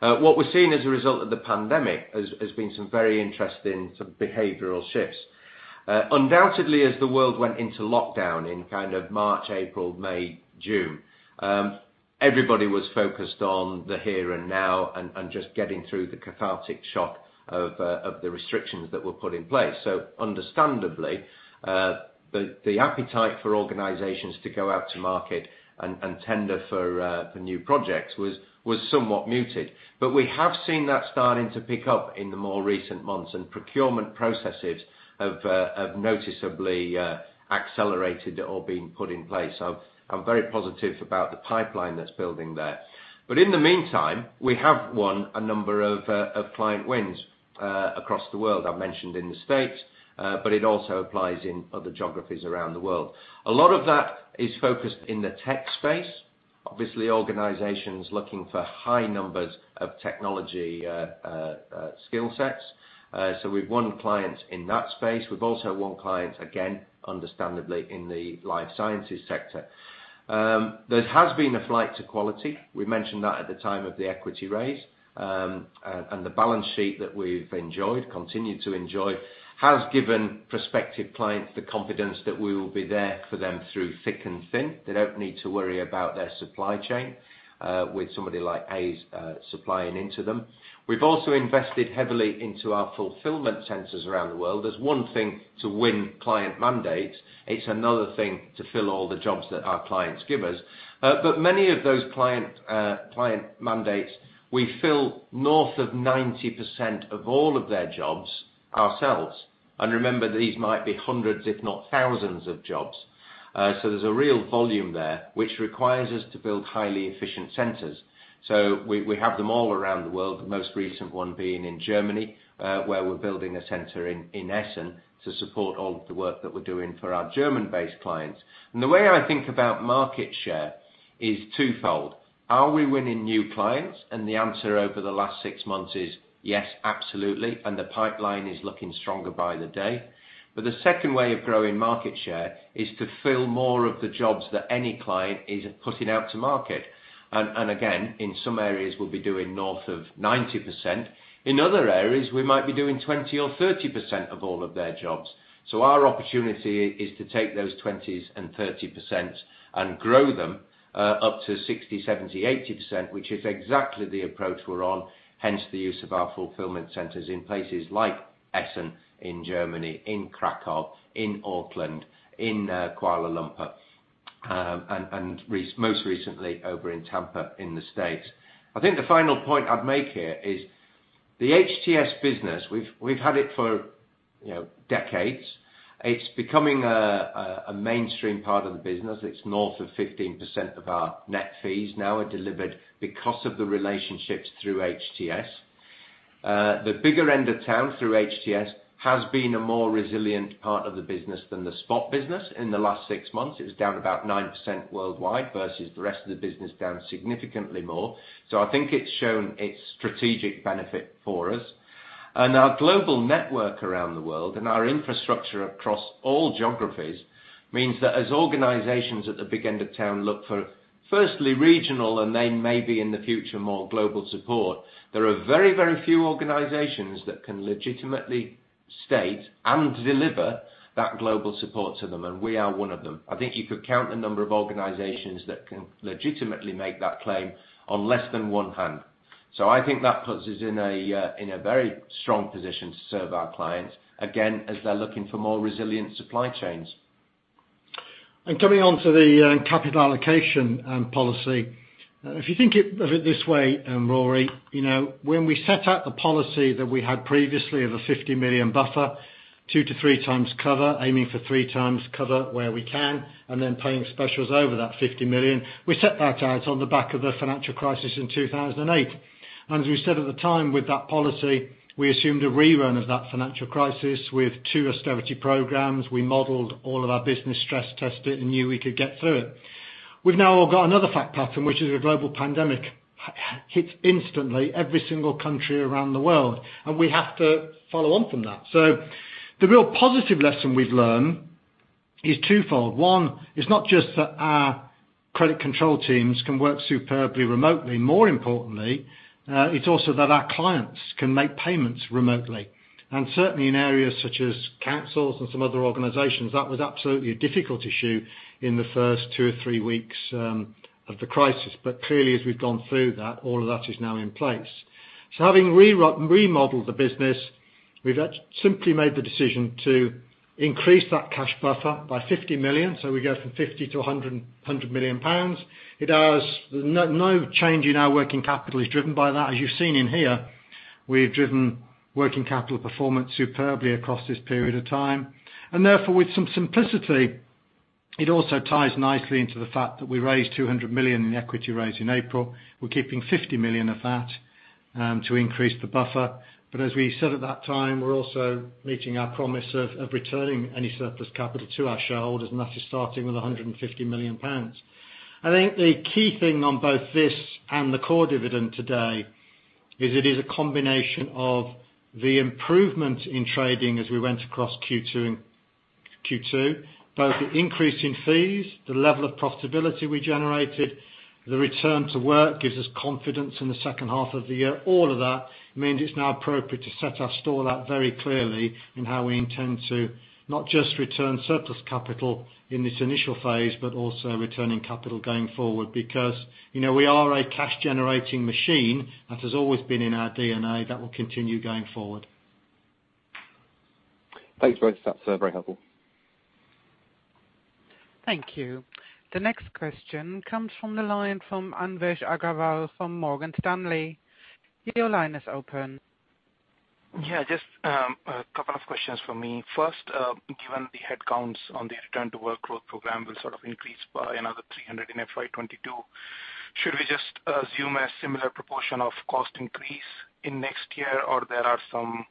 What we're seeing as a result of the pandemic has been some very interesting behavioral shifts. Undoubtedly, as the world went into lockdown in kind of March, April, May, June. Everybody was focused on the here and now and just getting through the cathartic shock of the restrictions that were put in place. Understandably, the appetite for organizations to go out to market and tender for new projects was somewhat muted. We have seen that starting to pick up in the more recent months, and procurement processes have noticeably accelerated or been put in place. I'm very positive about the pipeline that's building there. In the meantime, we have won a number of client wins across the world. I mentioned in the U.S. but it also applies in other geographies around the world. A lot of that is focused in the tech space. Obviously, organizations looking for high numbers of technology skill sets. We've won clients in that space. We've also won clients, again, understandably, in the life sciences sector. There has been a flight to quality. We mentioned that at the time of the equity raise. The balance sheet that we've enjoyed, continue to enjoy, has given prospective clients the confidence that we will be there for them through thick and thin. They don't need to worry about their supply chain with somebody like Hays supplying into them. We've also invested heavily into our fulfillment centers around the world. It's one thing to win client mandates, it's another thing to fill all the jobs that our clients give us. Many of those client mandates, we fill north of 90% of all of their jobs ourselves. Remember, these might be hundreds, if not thousands, of jobs. There's a real volume there, which requires us to build highly efficient centers. We have them all around the world, the most recent one being in Germany, where we're building a center in Essen to support all of the work that we're doing for our German-based clients. The way I think about market share is twofold. Are we winning new clients? The answer over the last six months is yes, absolutely. The pipeline is looking stronger by the day. The second way of growing market share is to fill more of the jobs that any client is putting out to market. Again, in some areas, we'll be doing north of 90%. In other areas, we might be doing 20% or 30% of all of their jobs. Our opportunity is to take those 20% and 30% and grow them up to 60%, 70%, 80%, which is exactly the approach we're on, hence the use of our fulfillment centers in places like Essen in Germany, in Kraków, in Auckland, in Kuala Lumpur, and most recently, over in Tampa in the States. I think the final point I'd make here is the HTS business, we've had it for decades. It's becoming a mainstream part of the business. It's north of 15% of our net fees now are delivered because of the relationships through HTS. The bigger end of town through HTS has been a more resilient part of the business than the spot business in the last six months. It was down about 9% worldwide versus the rest of the business down significantly more. I think it's shown its strategic benefit for us. Our global network around the world and our infrastructure across all geographies means that as organizations at the big end of town look for, firstly, regional, and then maybe in the future, more global support, there are very, very few organizations that can legitimately state and deliver that global support to them, and we are one of them. I think you could count the number of organizations that can legitimately make that claim on less than one hand. I think that puts us in a very strong position to serve our clients, again, as they're looking for more resilient supply chains. Coming on to the capital allocation policy. If you think of it this way, Rory, when we set out the policy that we had previously of a 50 million buffer, 2x-3x cover, aiming for 3x cover where we can, and then paying specials over that 50 million, we set that out on the back of the financial crisis in 2008. As we said at the time with that policy, we assumed a rerun of that financial crisis with two austerity programs. We modeled all of our business, stress tested and knew we could get through it. We've now got another fact pattern, which is a global pandemic hits instantly every single country around the world, and we have to follow on from that. The real positive lesson we've learned is twofold. One, it's not just that our credit control teams can work superbly remotely. More importantly, it's also that our clients can make payments remotely. Certainly, in areas such as councils and some other organizations, that was absolutely a difficult issue in the first two or three weeks of the crisis. Clearly, as we've gone through that, all of that is now in place. Having remodeled the business, we've simply made the decision to increase that cash buffer by 50 million, so we go from 50 million-100 million pounds. No change in our working capital is driven by that. As you've seen in here, we've driven working capital performance superbly across this period of time. Therefore, with some simplicity, it also ties nicely into the fact that we raised 200 million in the equity raise in April. We're keeping 50 million of that to increase the buffer. As we said at that time, we're also meeting our promise of returning any surplus capital to our shareholders, and that is starting with 150 million pounds. I think the key thing on both this and the core dividend today is it is a combination of the improvement in trading as we went across Q2, both the increase in fees, the level of profitability we generated, the return to work gives us confidence in the second half of the year. All of that means it's now appropriate to set our stall out very clearly in how we intend to not just return surplus capital in this initial phase but also returning capital going forward. We are a cash-generating machine, that has always been in our DNA. That will continue going forward. Thanks. That's very helpful. Thank you. The next question comes from the line from Anvesh Agrawal from Morgan Stanley. Your line is open. Yeah, just a couple of questions from me. Given the headcounts on the return to workload program will increase by another 300 in FY 2022, should we just assume a similar proportion of cost increase in next year or there are some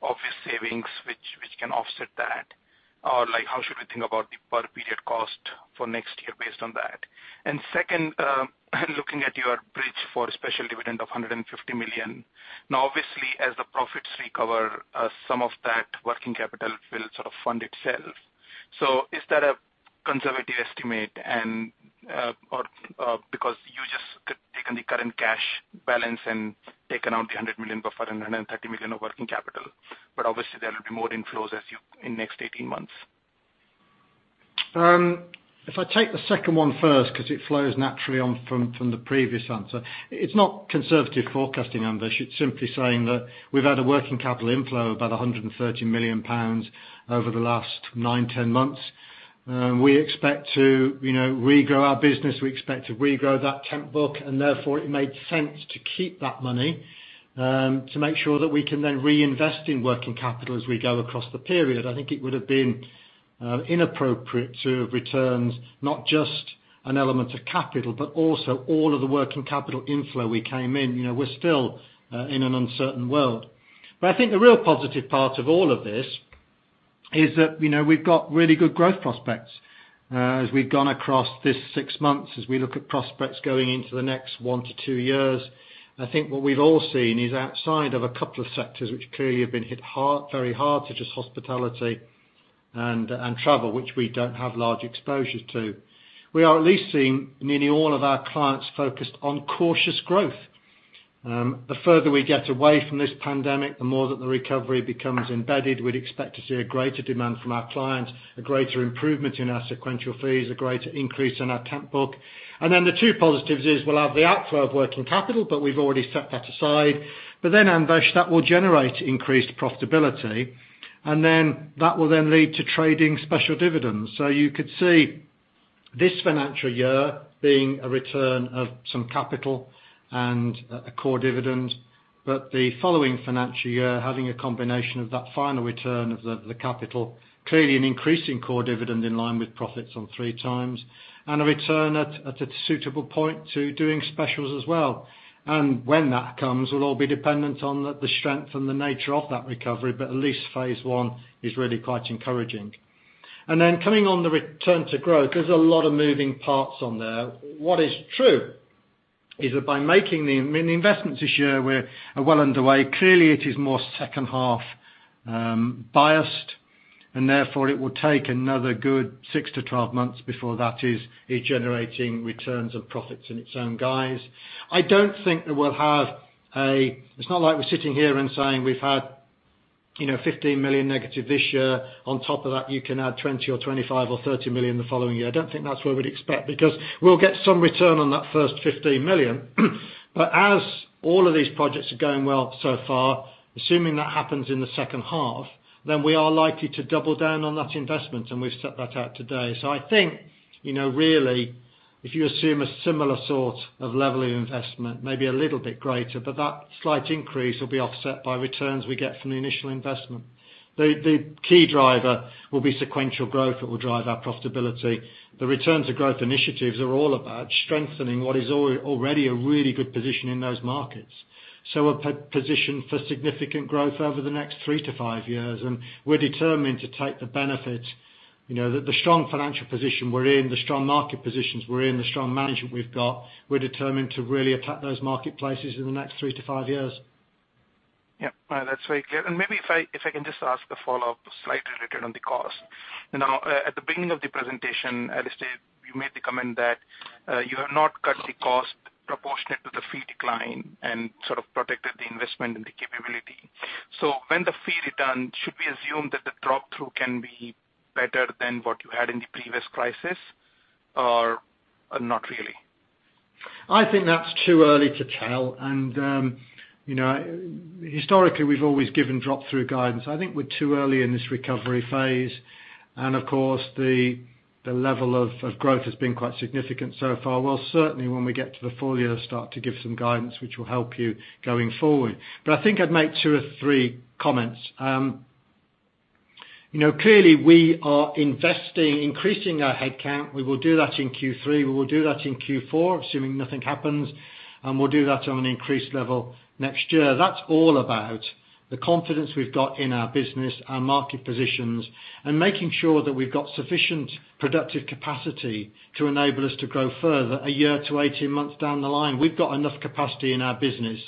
obvious savings which can offset that? How should we think about the per-period cost for next year based on that? Second, looking at your bridge for special dividend of 150 million. Obviously as the profits recover, some of that working capital will sort of fund itself. Is that a conservative estimate because you just could take the current cash balance and take around 100 million buffer and 130 million of working capital, but obviously there will be more inflows in next 18 months. If I take the second one first, because it flows naturally on from the previous answer. It's not conservative forecasting, Anvesh. It's simply saying that we've had a working capital inflow of about 130 million pounds over the last nine, 10 months. We expect to regrow our business. We expect to regrow that temp book, and therefore it made sense to keep that money, to make sure that we can then reinvest in working capital as we go across the period. I think it would have been inappropriate to have returned not just an element of capital, but also all of the working capital inflow we came in. We're still in an uncertain world. I think the real positive part of all of this is that we've got really good growth prospects. As we've gone across this six months, as we look at prospects going into the next one to two years, I think what we've all seen is outside of a couple of sectors, which clearly have been hit very hard, such as hospitality and travel, which we don't have large exposures to, we are at least seeing nearly all of our clients focused on cautious growth. The further we get away from this pandemic, the more that the recovery becomes embedded. We'd expect to see a greater demand from our clients, a greater improvement in our sequential fees, a greater increase in our temp book. The two positives is we'll have the outflow of working capital, but we've already set that aside. Anvesh, that will generate increased profitability, and then that will then lead to trading special dividends. You could see this financial year being a return of some capital and a core dividend, but the following financial year, having a combination of that final return of the capital, clearly an increasing core dividend in line with profits on three times, and a return at a suitable point to doing specials as well. When that comes, will all be dependent on the strength and the nature of that recovery, but at least phase one is really quite encouraging. Coming on the Return to Growth, there's a lot of moving parts on there. What is true is that by making the investments this year, we're well underway. Clearly, it is more second half biased, and therefore it will take another good six to 12 months before that is generating returns and profits in its own guise. It's not like we're sitting here and saying we've had 15 million negative this year. On top of that, you can add 20 million or 25 million or 30 million the following year. I don't think that's what we'd expect because we'll get some return on that first 15 million. As all of these projects are going well so far, assuming that happens in the second half, we are likely to double down on that investment, we've set that out today. I think, really, if you assume a similar sort of level of investment, maybe a little bit greater, that slight increase will be offset by returns we get from the initial investment. The key driver will be sequential growth that will drive our profitability. The Return to Growth initiatives are all about strengthening what is already a really good position in those markets. We're positioned for significant growth over the next three to five years. We're determined to take the benefit. The strong financial position we're in, the strong market positions we're in, the strong management we've got, we're determined to really attack those marketplaces in the next three to five years. Yeah. No, that's very clear. Maybe if I can just ask a follow-up slightly related on the cost. At the beginning of the presentation, Alistair, you made the comment that you have not cut the cost proportionate to the fee decline and sort of protected the investment and the capability. When the fee return, should we assume that the drop-through can be better than what you had in the previous crisis, or not really? I think that's too early to tell. Historically, we've always given drop-through guidance. I think we're too early in this recovery phase. Of course, the level of growth has been quite significant so far. Well, certainly when we get to the full year, start to give some guidance which will help you going forward. I think I'd make two or three comments. Clearly, we are investing, increasing our head count. We will do that in Q3. We will do that in Q4, assuming nothing happens, and we'll do that on an increased level next year. That's all about the confidence we've got in our business, our market positions, and making sure that we've got sufficient productive capacity to enable us to grow further a year to 18 months down the line. We've got enough capacity in our business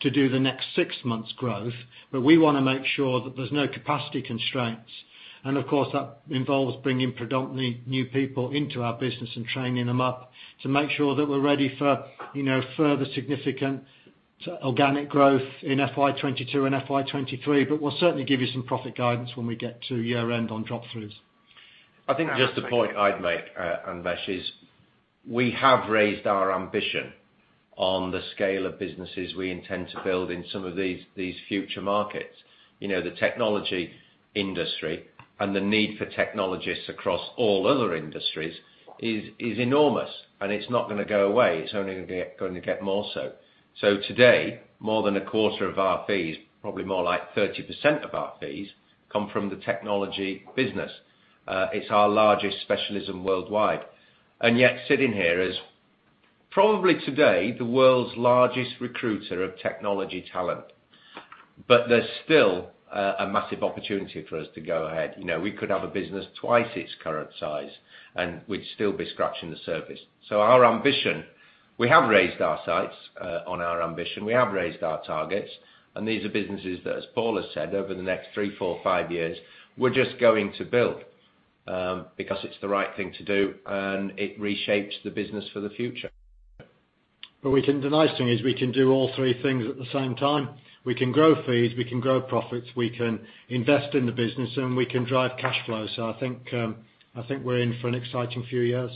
to do the next six months growth, but we want to make sure that there's no capacity constraints. Of course, that involves bringing predominantly new people into our business and training them up to make sure that we're ready for further significant organic growth in FY 2022 and FY 2023. We'll certainly give you some profit guidance when we get to year-end on drop-throughs. I think just a point I'd make Anvesh is, we have raised our ambition on the scale of businesses we intend to build in some of these future markets. The technology industry and the need for technologists across all other industries is enormous, and it's not going to go away. It's only going to get more so. Today, more than a quarter of our fees, probably more like 30% of our fees, come from the technology business. It's our largest specialism worldwide. Yet sitting here as probably today the world's largest recruiter of technology talent. There's still a massive opportunity for us to go ahead. We could have a business twice its current size, and we'd still be scratching the surface. Our ambition, we have raised our sights on our ambition. We have raised our targets, and these are businesses that, as Paul has said, over the next three, four, five years, we're just going to build because it's the right thing to do, and it reshapes the business for the future. The nice thing is we can do all three things at the same time. We can grow fees, we can grow profits, we can invest in the business, and we can drive cash flow. I think we're in for an exciting few years.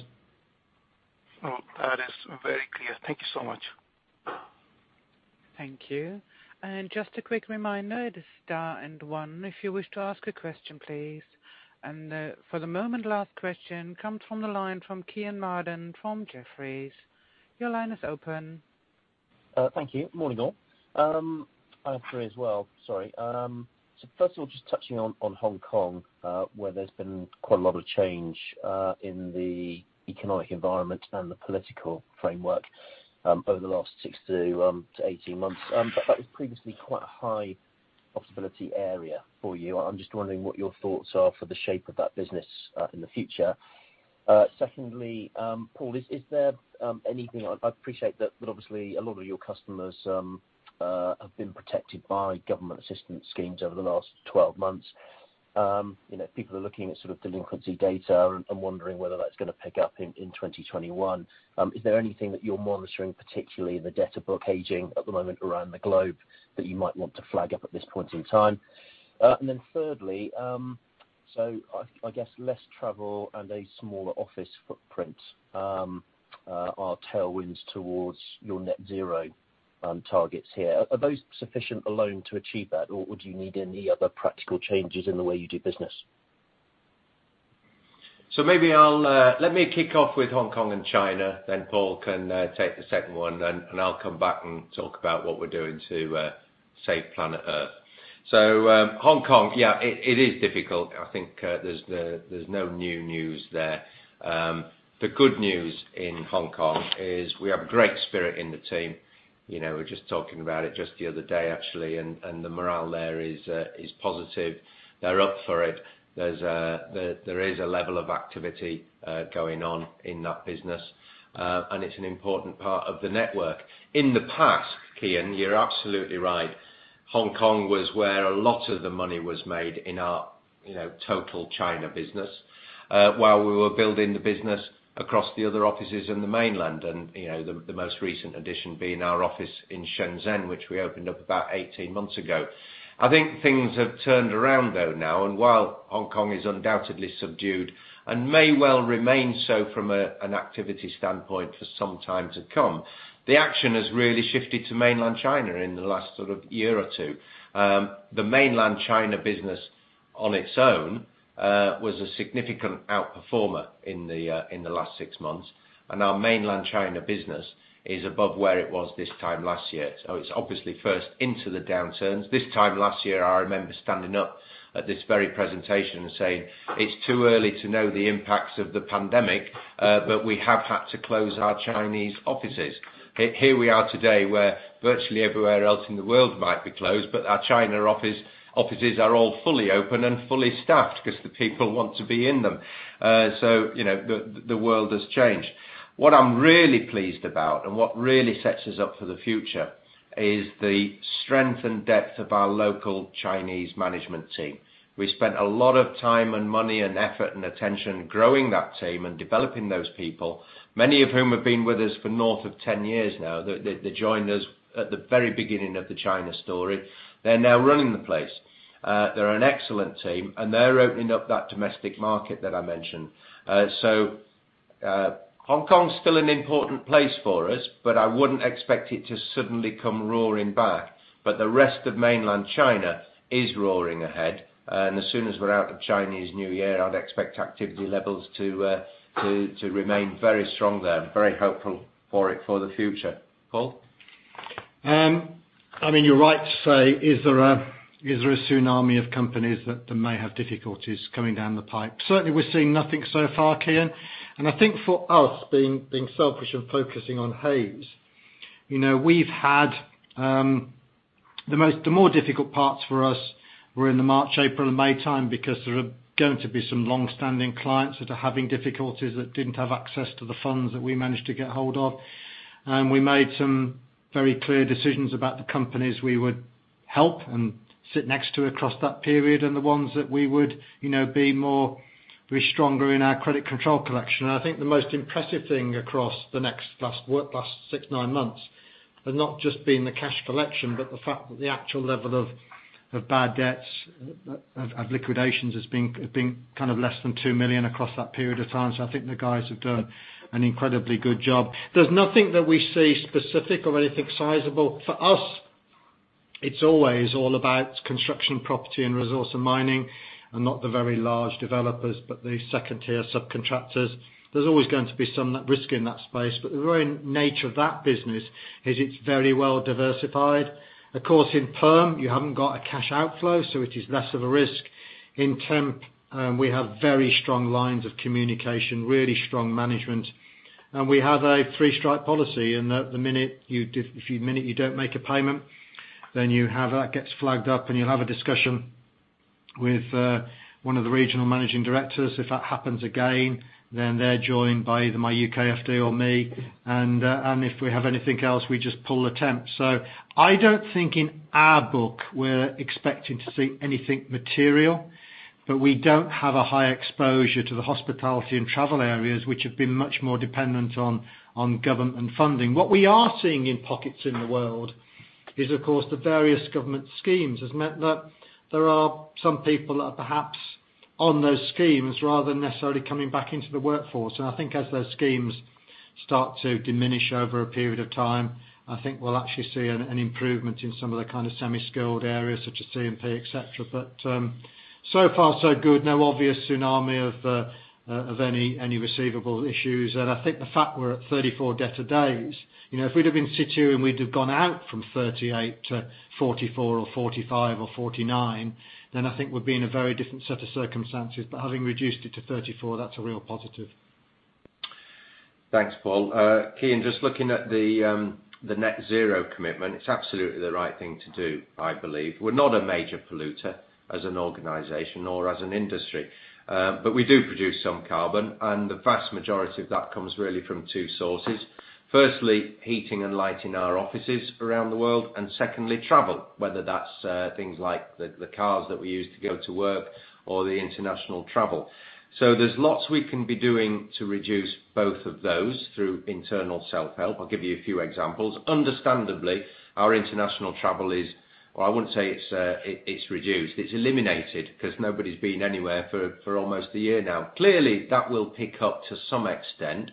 Well, that is very clear. Thank you so much. Thank you. Just a quick reminder, the star and one, if you wish to ask a question, please. For the moment, last question comes from the line from Kean Marden from Jefferies. Your line is open. Thank you. Morning, all. I have three as well. Sorry. First of all, just touching on Hong Kong, where there's been quite a lot of change in the economic environment and the political framework over the last six to 18 months. That was previously quite a high possibility area for you. I'm just wondering what your thoughts are for the shape of that business in the future. Secondly, Paul, I appreciate that obviously a lot of your customers have been protected by government assistance schemes over the last 12 months. People are looking at sort of delinquency data and wondering whether that's going to pick up in 2021. Is there anything that you're monitoring, particularly in the debtor book aging at the moment around the globe that you might want to flag up at this point in time? Thirdly, I guess less travel and a smaller office footprint are tailwinds towards your net zero targets here. Are those sufficient alone to achieve that, or would you need any other practical changes in the way you do business? Maybe let me kick off with Hong Kong and China, then Paul can take the second one, and I'll come back and talk about what we're doing to save planet Earth. Hong Kong, yeah, it is difficult. I think there's no new news there. The good news in Hong Kong is we have great spirit in the team. We were just talking about it just the other day, actually, and the morale there is positive. They're up for it. There is a level of activity going on in that business, and it's an important part of the network. In the past, Kean, you're absolutely right. Hong Kong was where a lot of the money was made in our total China business while we were building the business across the other offices in the mainland, and the most recent addition being our office in Shenzhen, which we opened up about 18 months ago. I think things have turned around, though, now, and while Hong Kong is undoubtedly subdued and may well remain so from an activity standpoint for some time to come, the action has really shifted to mainland China in the last sort of year or two. The mainland China business on its own was a significant outperformer in the last six months, and our mainland China business is above where it was this time last year. It's obviously first into the downturns. This time last year, I remember standing up at this very presentation and saying, "It's too early to know the impacts of the pandemic, but we have had to close our Chinese offices." Here we are today where virtually everywhere else in the world might be closed, but our China offices are all fully open and fully staffed because the people want to be in them. The world has changed. What I'm really pleased about and what really sets us up for the future is the strength and depth of our local Chinese management team. We spent a lot of time and money and effort and attention growing that team and developing those people, many of whom have been with us for north of 10 years now. They joined us at the very beginning of the China story. They're now running the place. They're an excellent team, they're opening up that domestic market that I mentioned. Hong Kong is still an important place for us, I wouldn't expect it to suddenly come roaring back. The rest of mainland China is roaring ahead. As soon as we're out of Chinese New Year, I'd expect activity levels to remain very strong there. I'm very hopeful for it for the future. Paul? You're right to say, is there a tsunami of companies that may have difficulties coming down the pipe? We're seeing nothing so far, Kean. I think for us, being selfish and focusing on Hays, we've had the more difficult parts for us were in the March, April, and May time because there are going to be some long-standing clients that are having difficulties that didn't have access to the funds that we managed to get hold of. We made some very clear decisions about the companies we would help and sit next to across that period, and the ones that we would be stronger in our credit control collection. I think the most impressive thing across the last six, nine months, has not just been the cash collection, but the fact that the actual level of bad debts, of liquidations has been less than 2 million across that period of time. I think the guys have done an incredibly good job. There's nothing that we see specific or anything sizable. For us, it's always all about construction, property, and resource and mining, and not the very large developers, but the second-tier subcontractors. There's always going to be some risk in that space. The very nature of that business is it's very well diversified. Of course, in perm, you haven't got a cash outflow, so it is less of a risk. In temp, we have very strong lines of communication, really strong management. We have a three-strike policy, in that the minute you don't make a payment, then that gets flagged up, and you'll have a discussion with one of the regional managing directors. If that happens again, then they're joined by either my U.K. FD or me. If we have anything else, we just pull the temp. I don't think in our book we're expecting to see anything material, but we don't have a high exposure to the hospitality and travel areas, which have been much more dependent on government funding. What we are seeing in pockets in the world is, of course, the various government schemes, has meant that there are some people that are perhaps on those schemes rather than necessarily coming back into the workforce. I think as those schemes start to diminish over a period of time, I think we'll actually see an improvement in some of the kind of semi-skilled areas such as C&P, et cetera. So far so good. No obvious tsunami of any receivable issues. I think the fact we're at 34 debtor days, if we'd have been situ and we'd have gone out from 38 to 44 or 45 or 49, then I think we'd be in a very different set of circumstances. Having reduced it to 34, that's a real positive. Thanks, Paul. Kean, just looking at the net zero commitment, it's absolutely the right thing to do, I believe. We're not a major polluter as an organization nor as an industry. We do produce some carbon, and the vast majority of that comes really from two sources. Firstly, heating and lighting our offices around the world. Secondly, travel, whether that's things like the cars that we use to go to work or the international travel. There's lots we can be doing to reduce both of those through internal self-help. I'll give you a few examples. Understandably, our international travel is, or I wouldn't say it's reduced. It's eliminated because nobody's been anywhere for almost a year now. Clearly, that will pick up to some extent,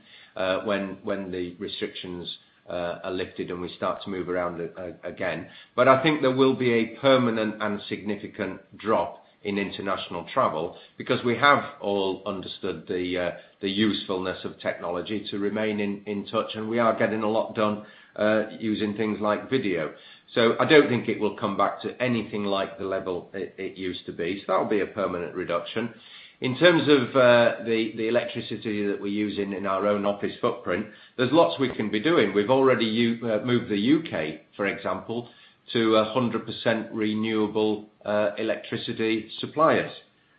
when the restrictions are lifted, we start to move around again. I think there will be a permanent and significant drop in international travel because we have all understood the usefulness of technology to remain in touch, and we are getting a lot done using things like video. I don't think it will come back to anything like the level it used to be. That'll be a permanent reduction. In terms of the electricity that we're using in our own office footprint, there's lots we can be doing. We've already moved the U.K. for example, to 100% renewable electricity suppliers.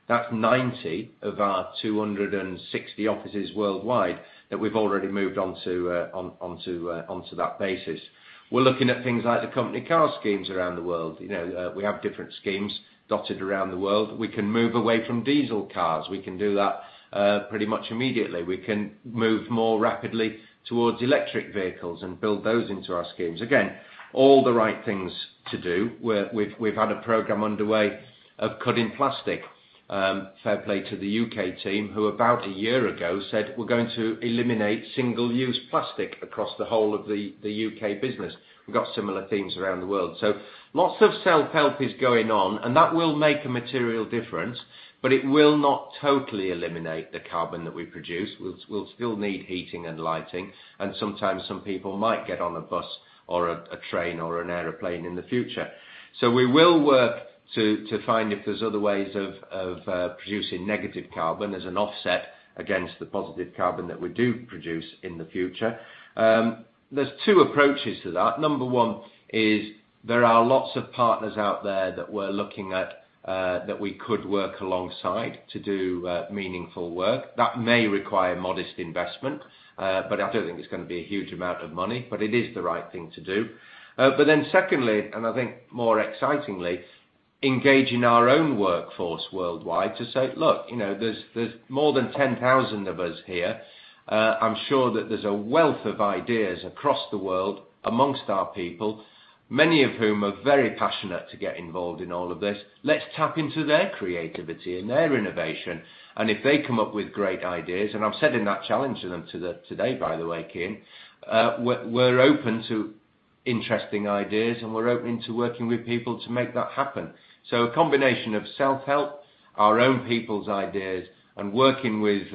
That's 90 of our 260 offices worldwide that we've already moved onto that basis. We're looking at things like the company car schemes around the world. We have different schemes dotted around the world. We can move away from diesel cars. We can do that pretty much immediately. We can move more rapidly towards electric vehicles and build those into our schemes. Again, all the right things to do. We've had a program underway of cutting plastic. Fair play to the U.K. team who about a year ago said, "We're going to eliminate single-use plastic across the whole of the U.K. business." We've got similar themes around the world. Lots of self-help is going on, and that will make a material difference, but it will not totally eliminate the carbon that we produce. We'll still need heating and lighting, and sometimes some people might get on a bus or a train or an airplane in the future. We will work to find if there's other ways of producing negative carbon as an offset against the positive carbon that we do produce in the future. There are two approaches to that. Number one is there are lots of partners out there that we're looking at, that we could work alongside to do meaningful work. That may require modest investment. I don't think it's going to be a huge amount of money, it is the right thing to do. Secondly, and I think more excitingly, engaging our own workforce worldwide to say, look, there's more than 10,000 of us here. I'm sure that there's a wealth of ideas across the world amongst our people, many of whom are very passionate to get involved in all of this. Let's tap into their creativity and their innovation. If they come up with great ideas, I'm sending that challenge to them today, by the way, Kean. We're open to interesting ideas, and we're open to working with people to make that happen. A combination of self-help, our own people's ideas, and working with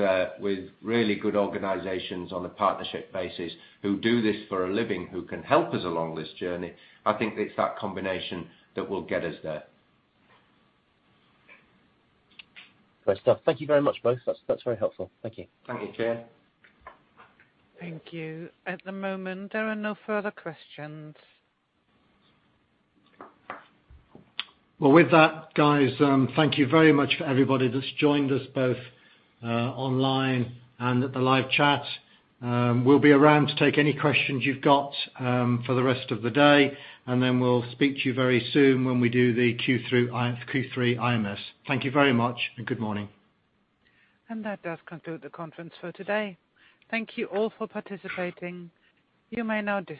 really good organizations on a partnership basis who do this for a living, who can help us along this journey. I think it's that combination that will get us there. Great stuff. Thank you very much, both. That's very helpful. Thank you. Thank you, Kean. Thank you. At the moment, there are no further questions. Well, with that, guys, thank you very much for everybody that's joined us both online and at the live chat. We'll be around to take any questions you've got for the rest of the day, and then we'll speak to you very soon when we do the Q3 IMS. Thank you very much, and good morning. That does conclude the conference for today. Thank you all for participating. You may now dis-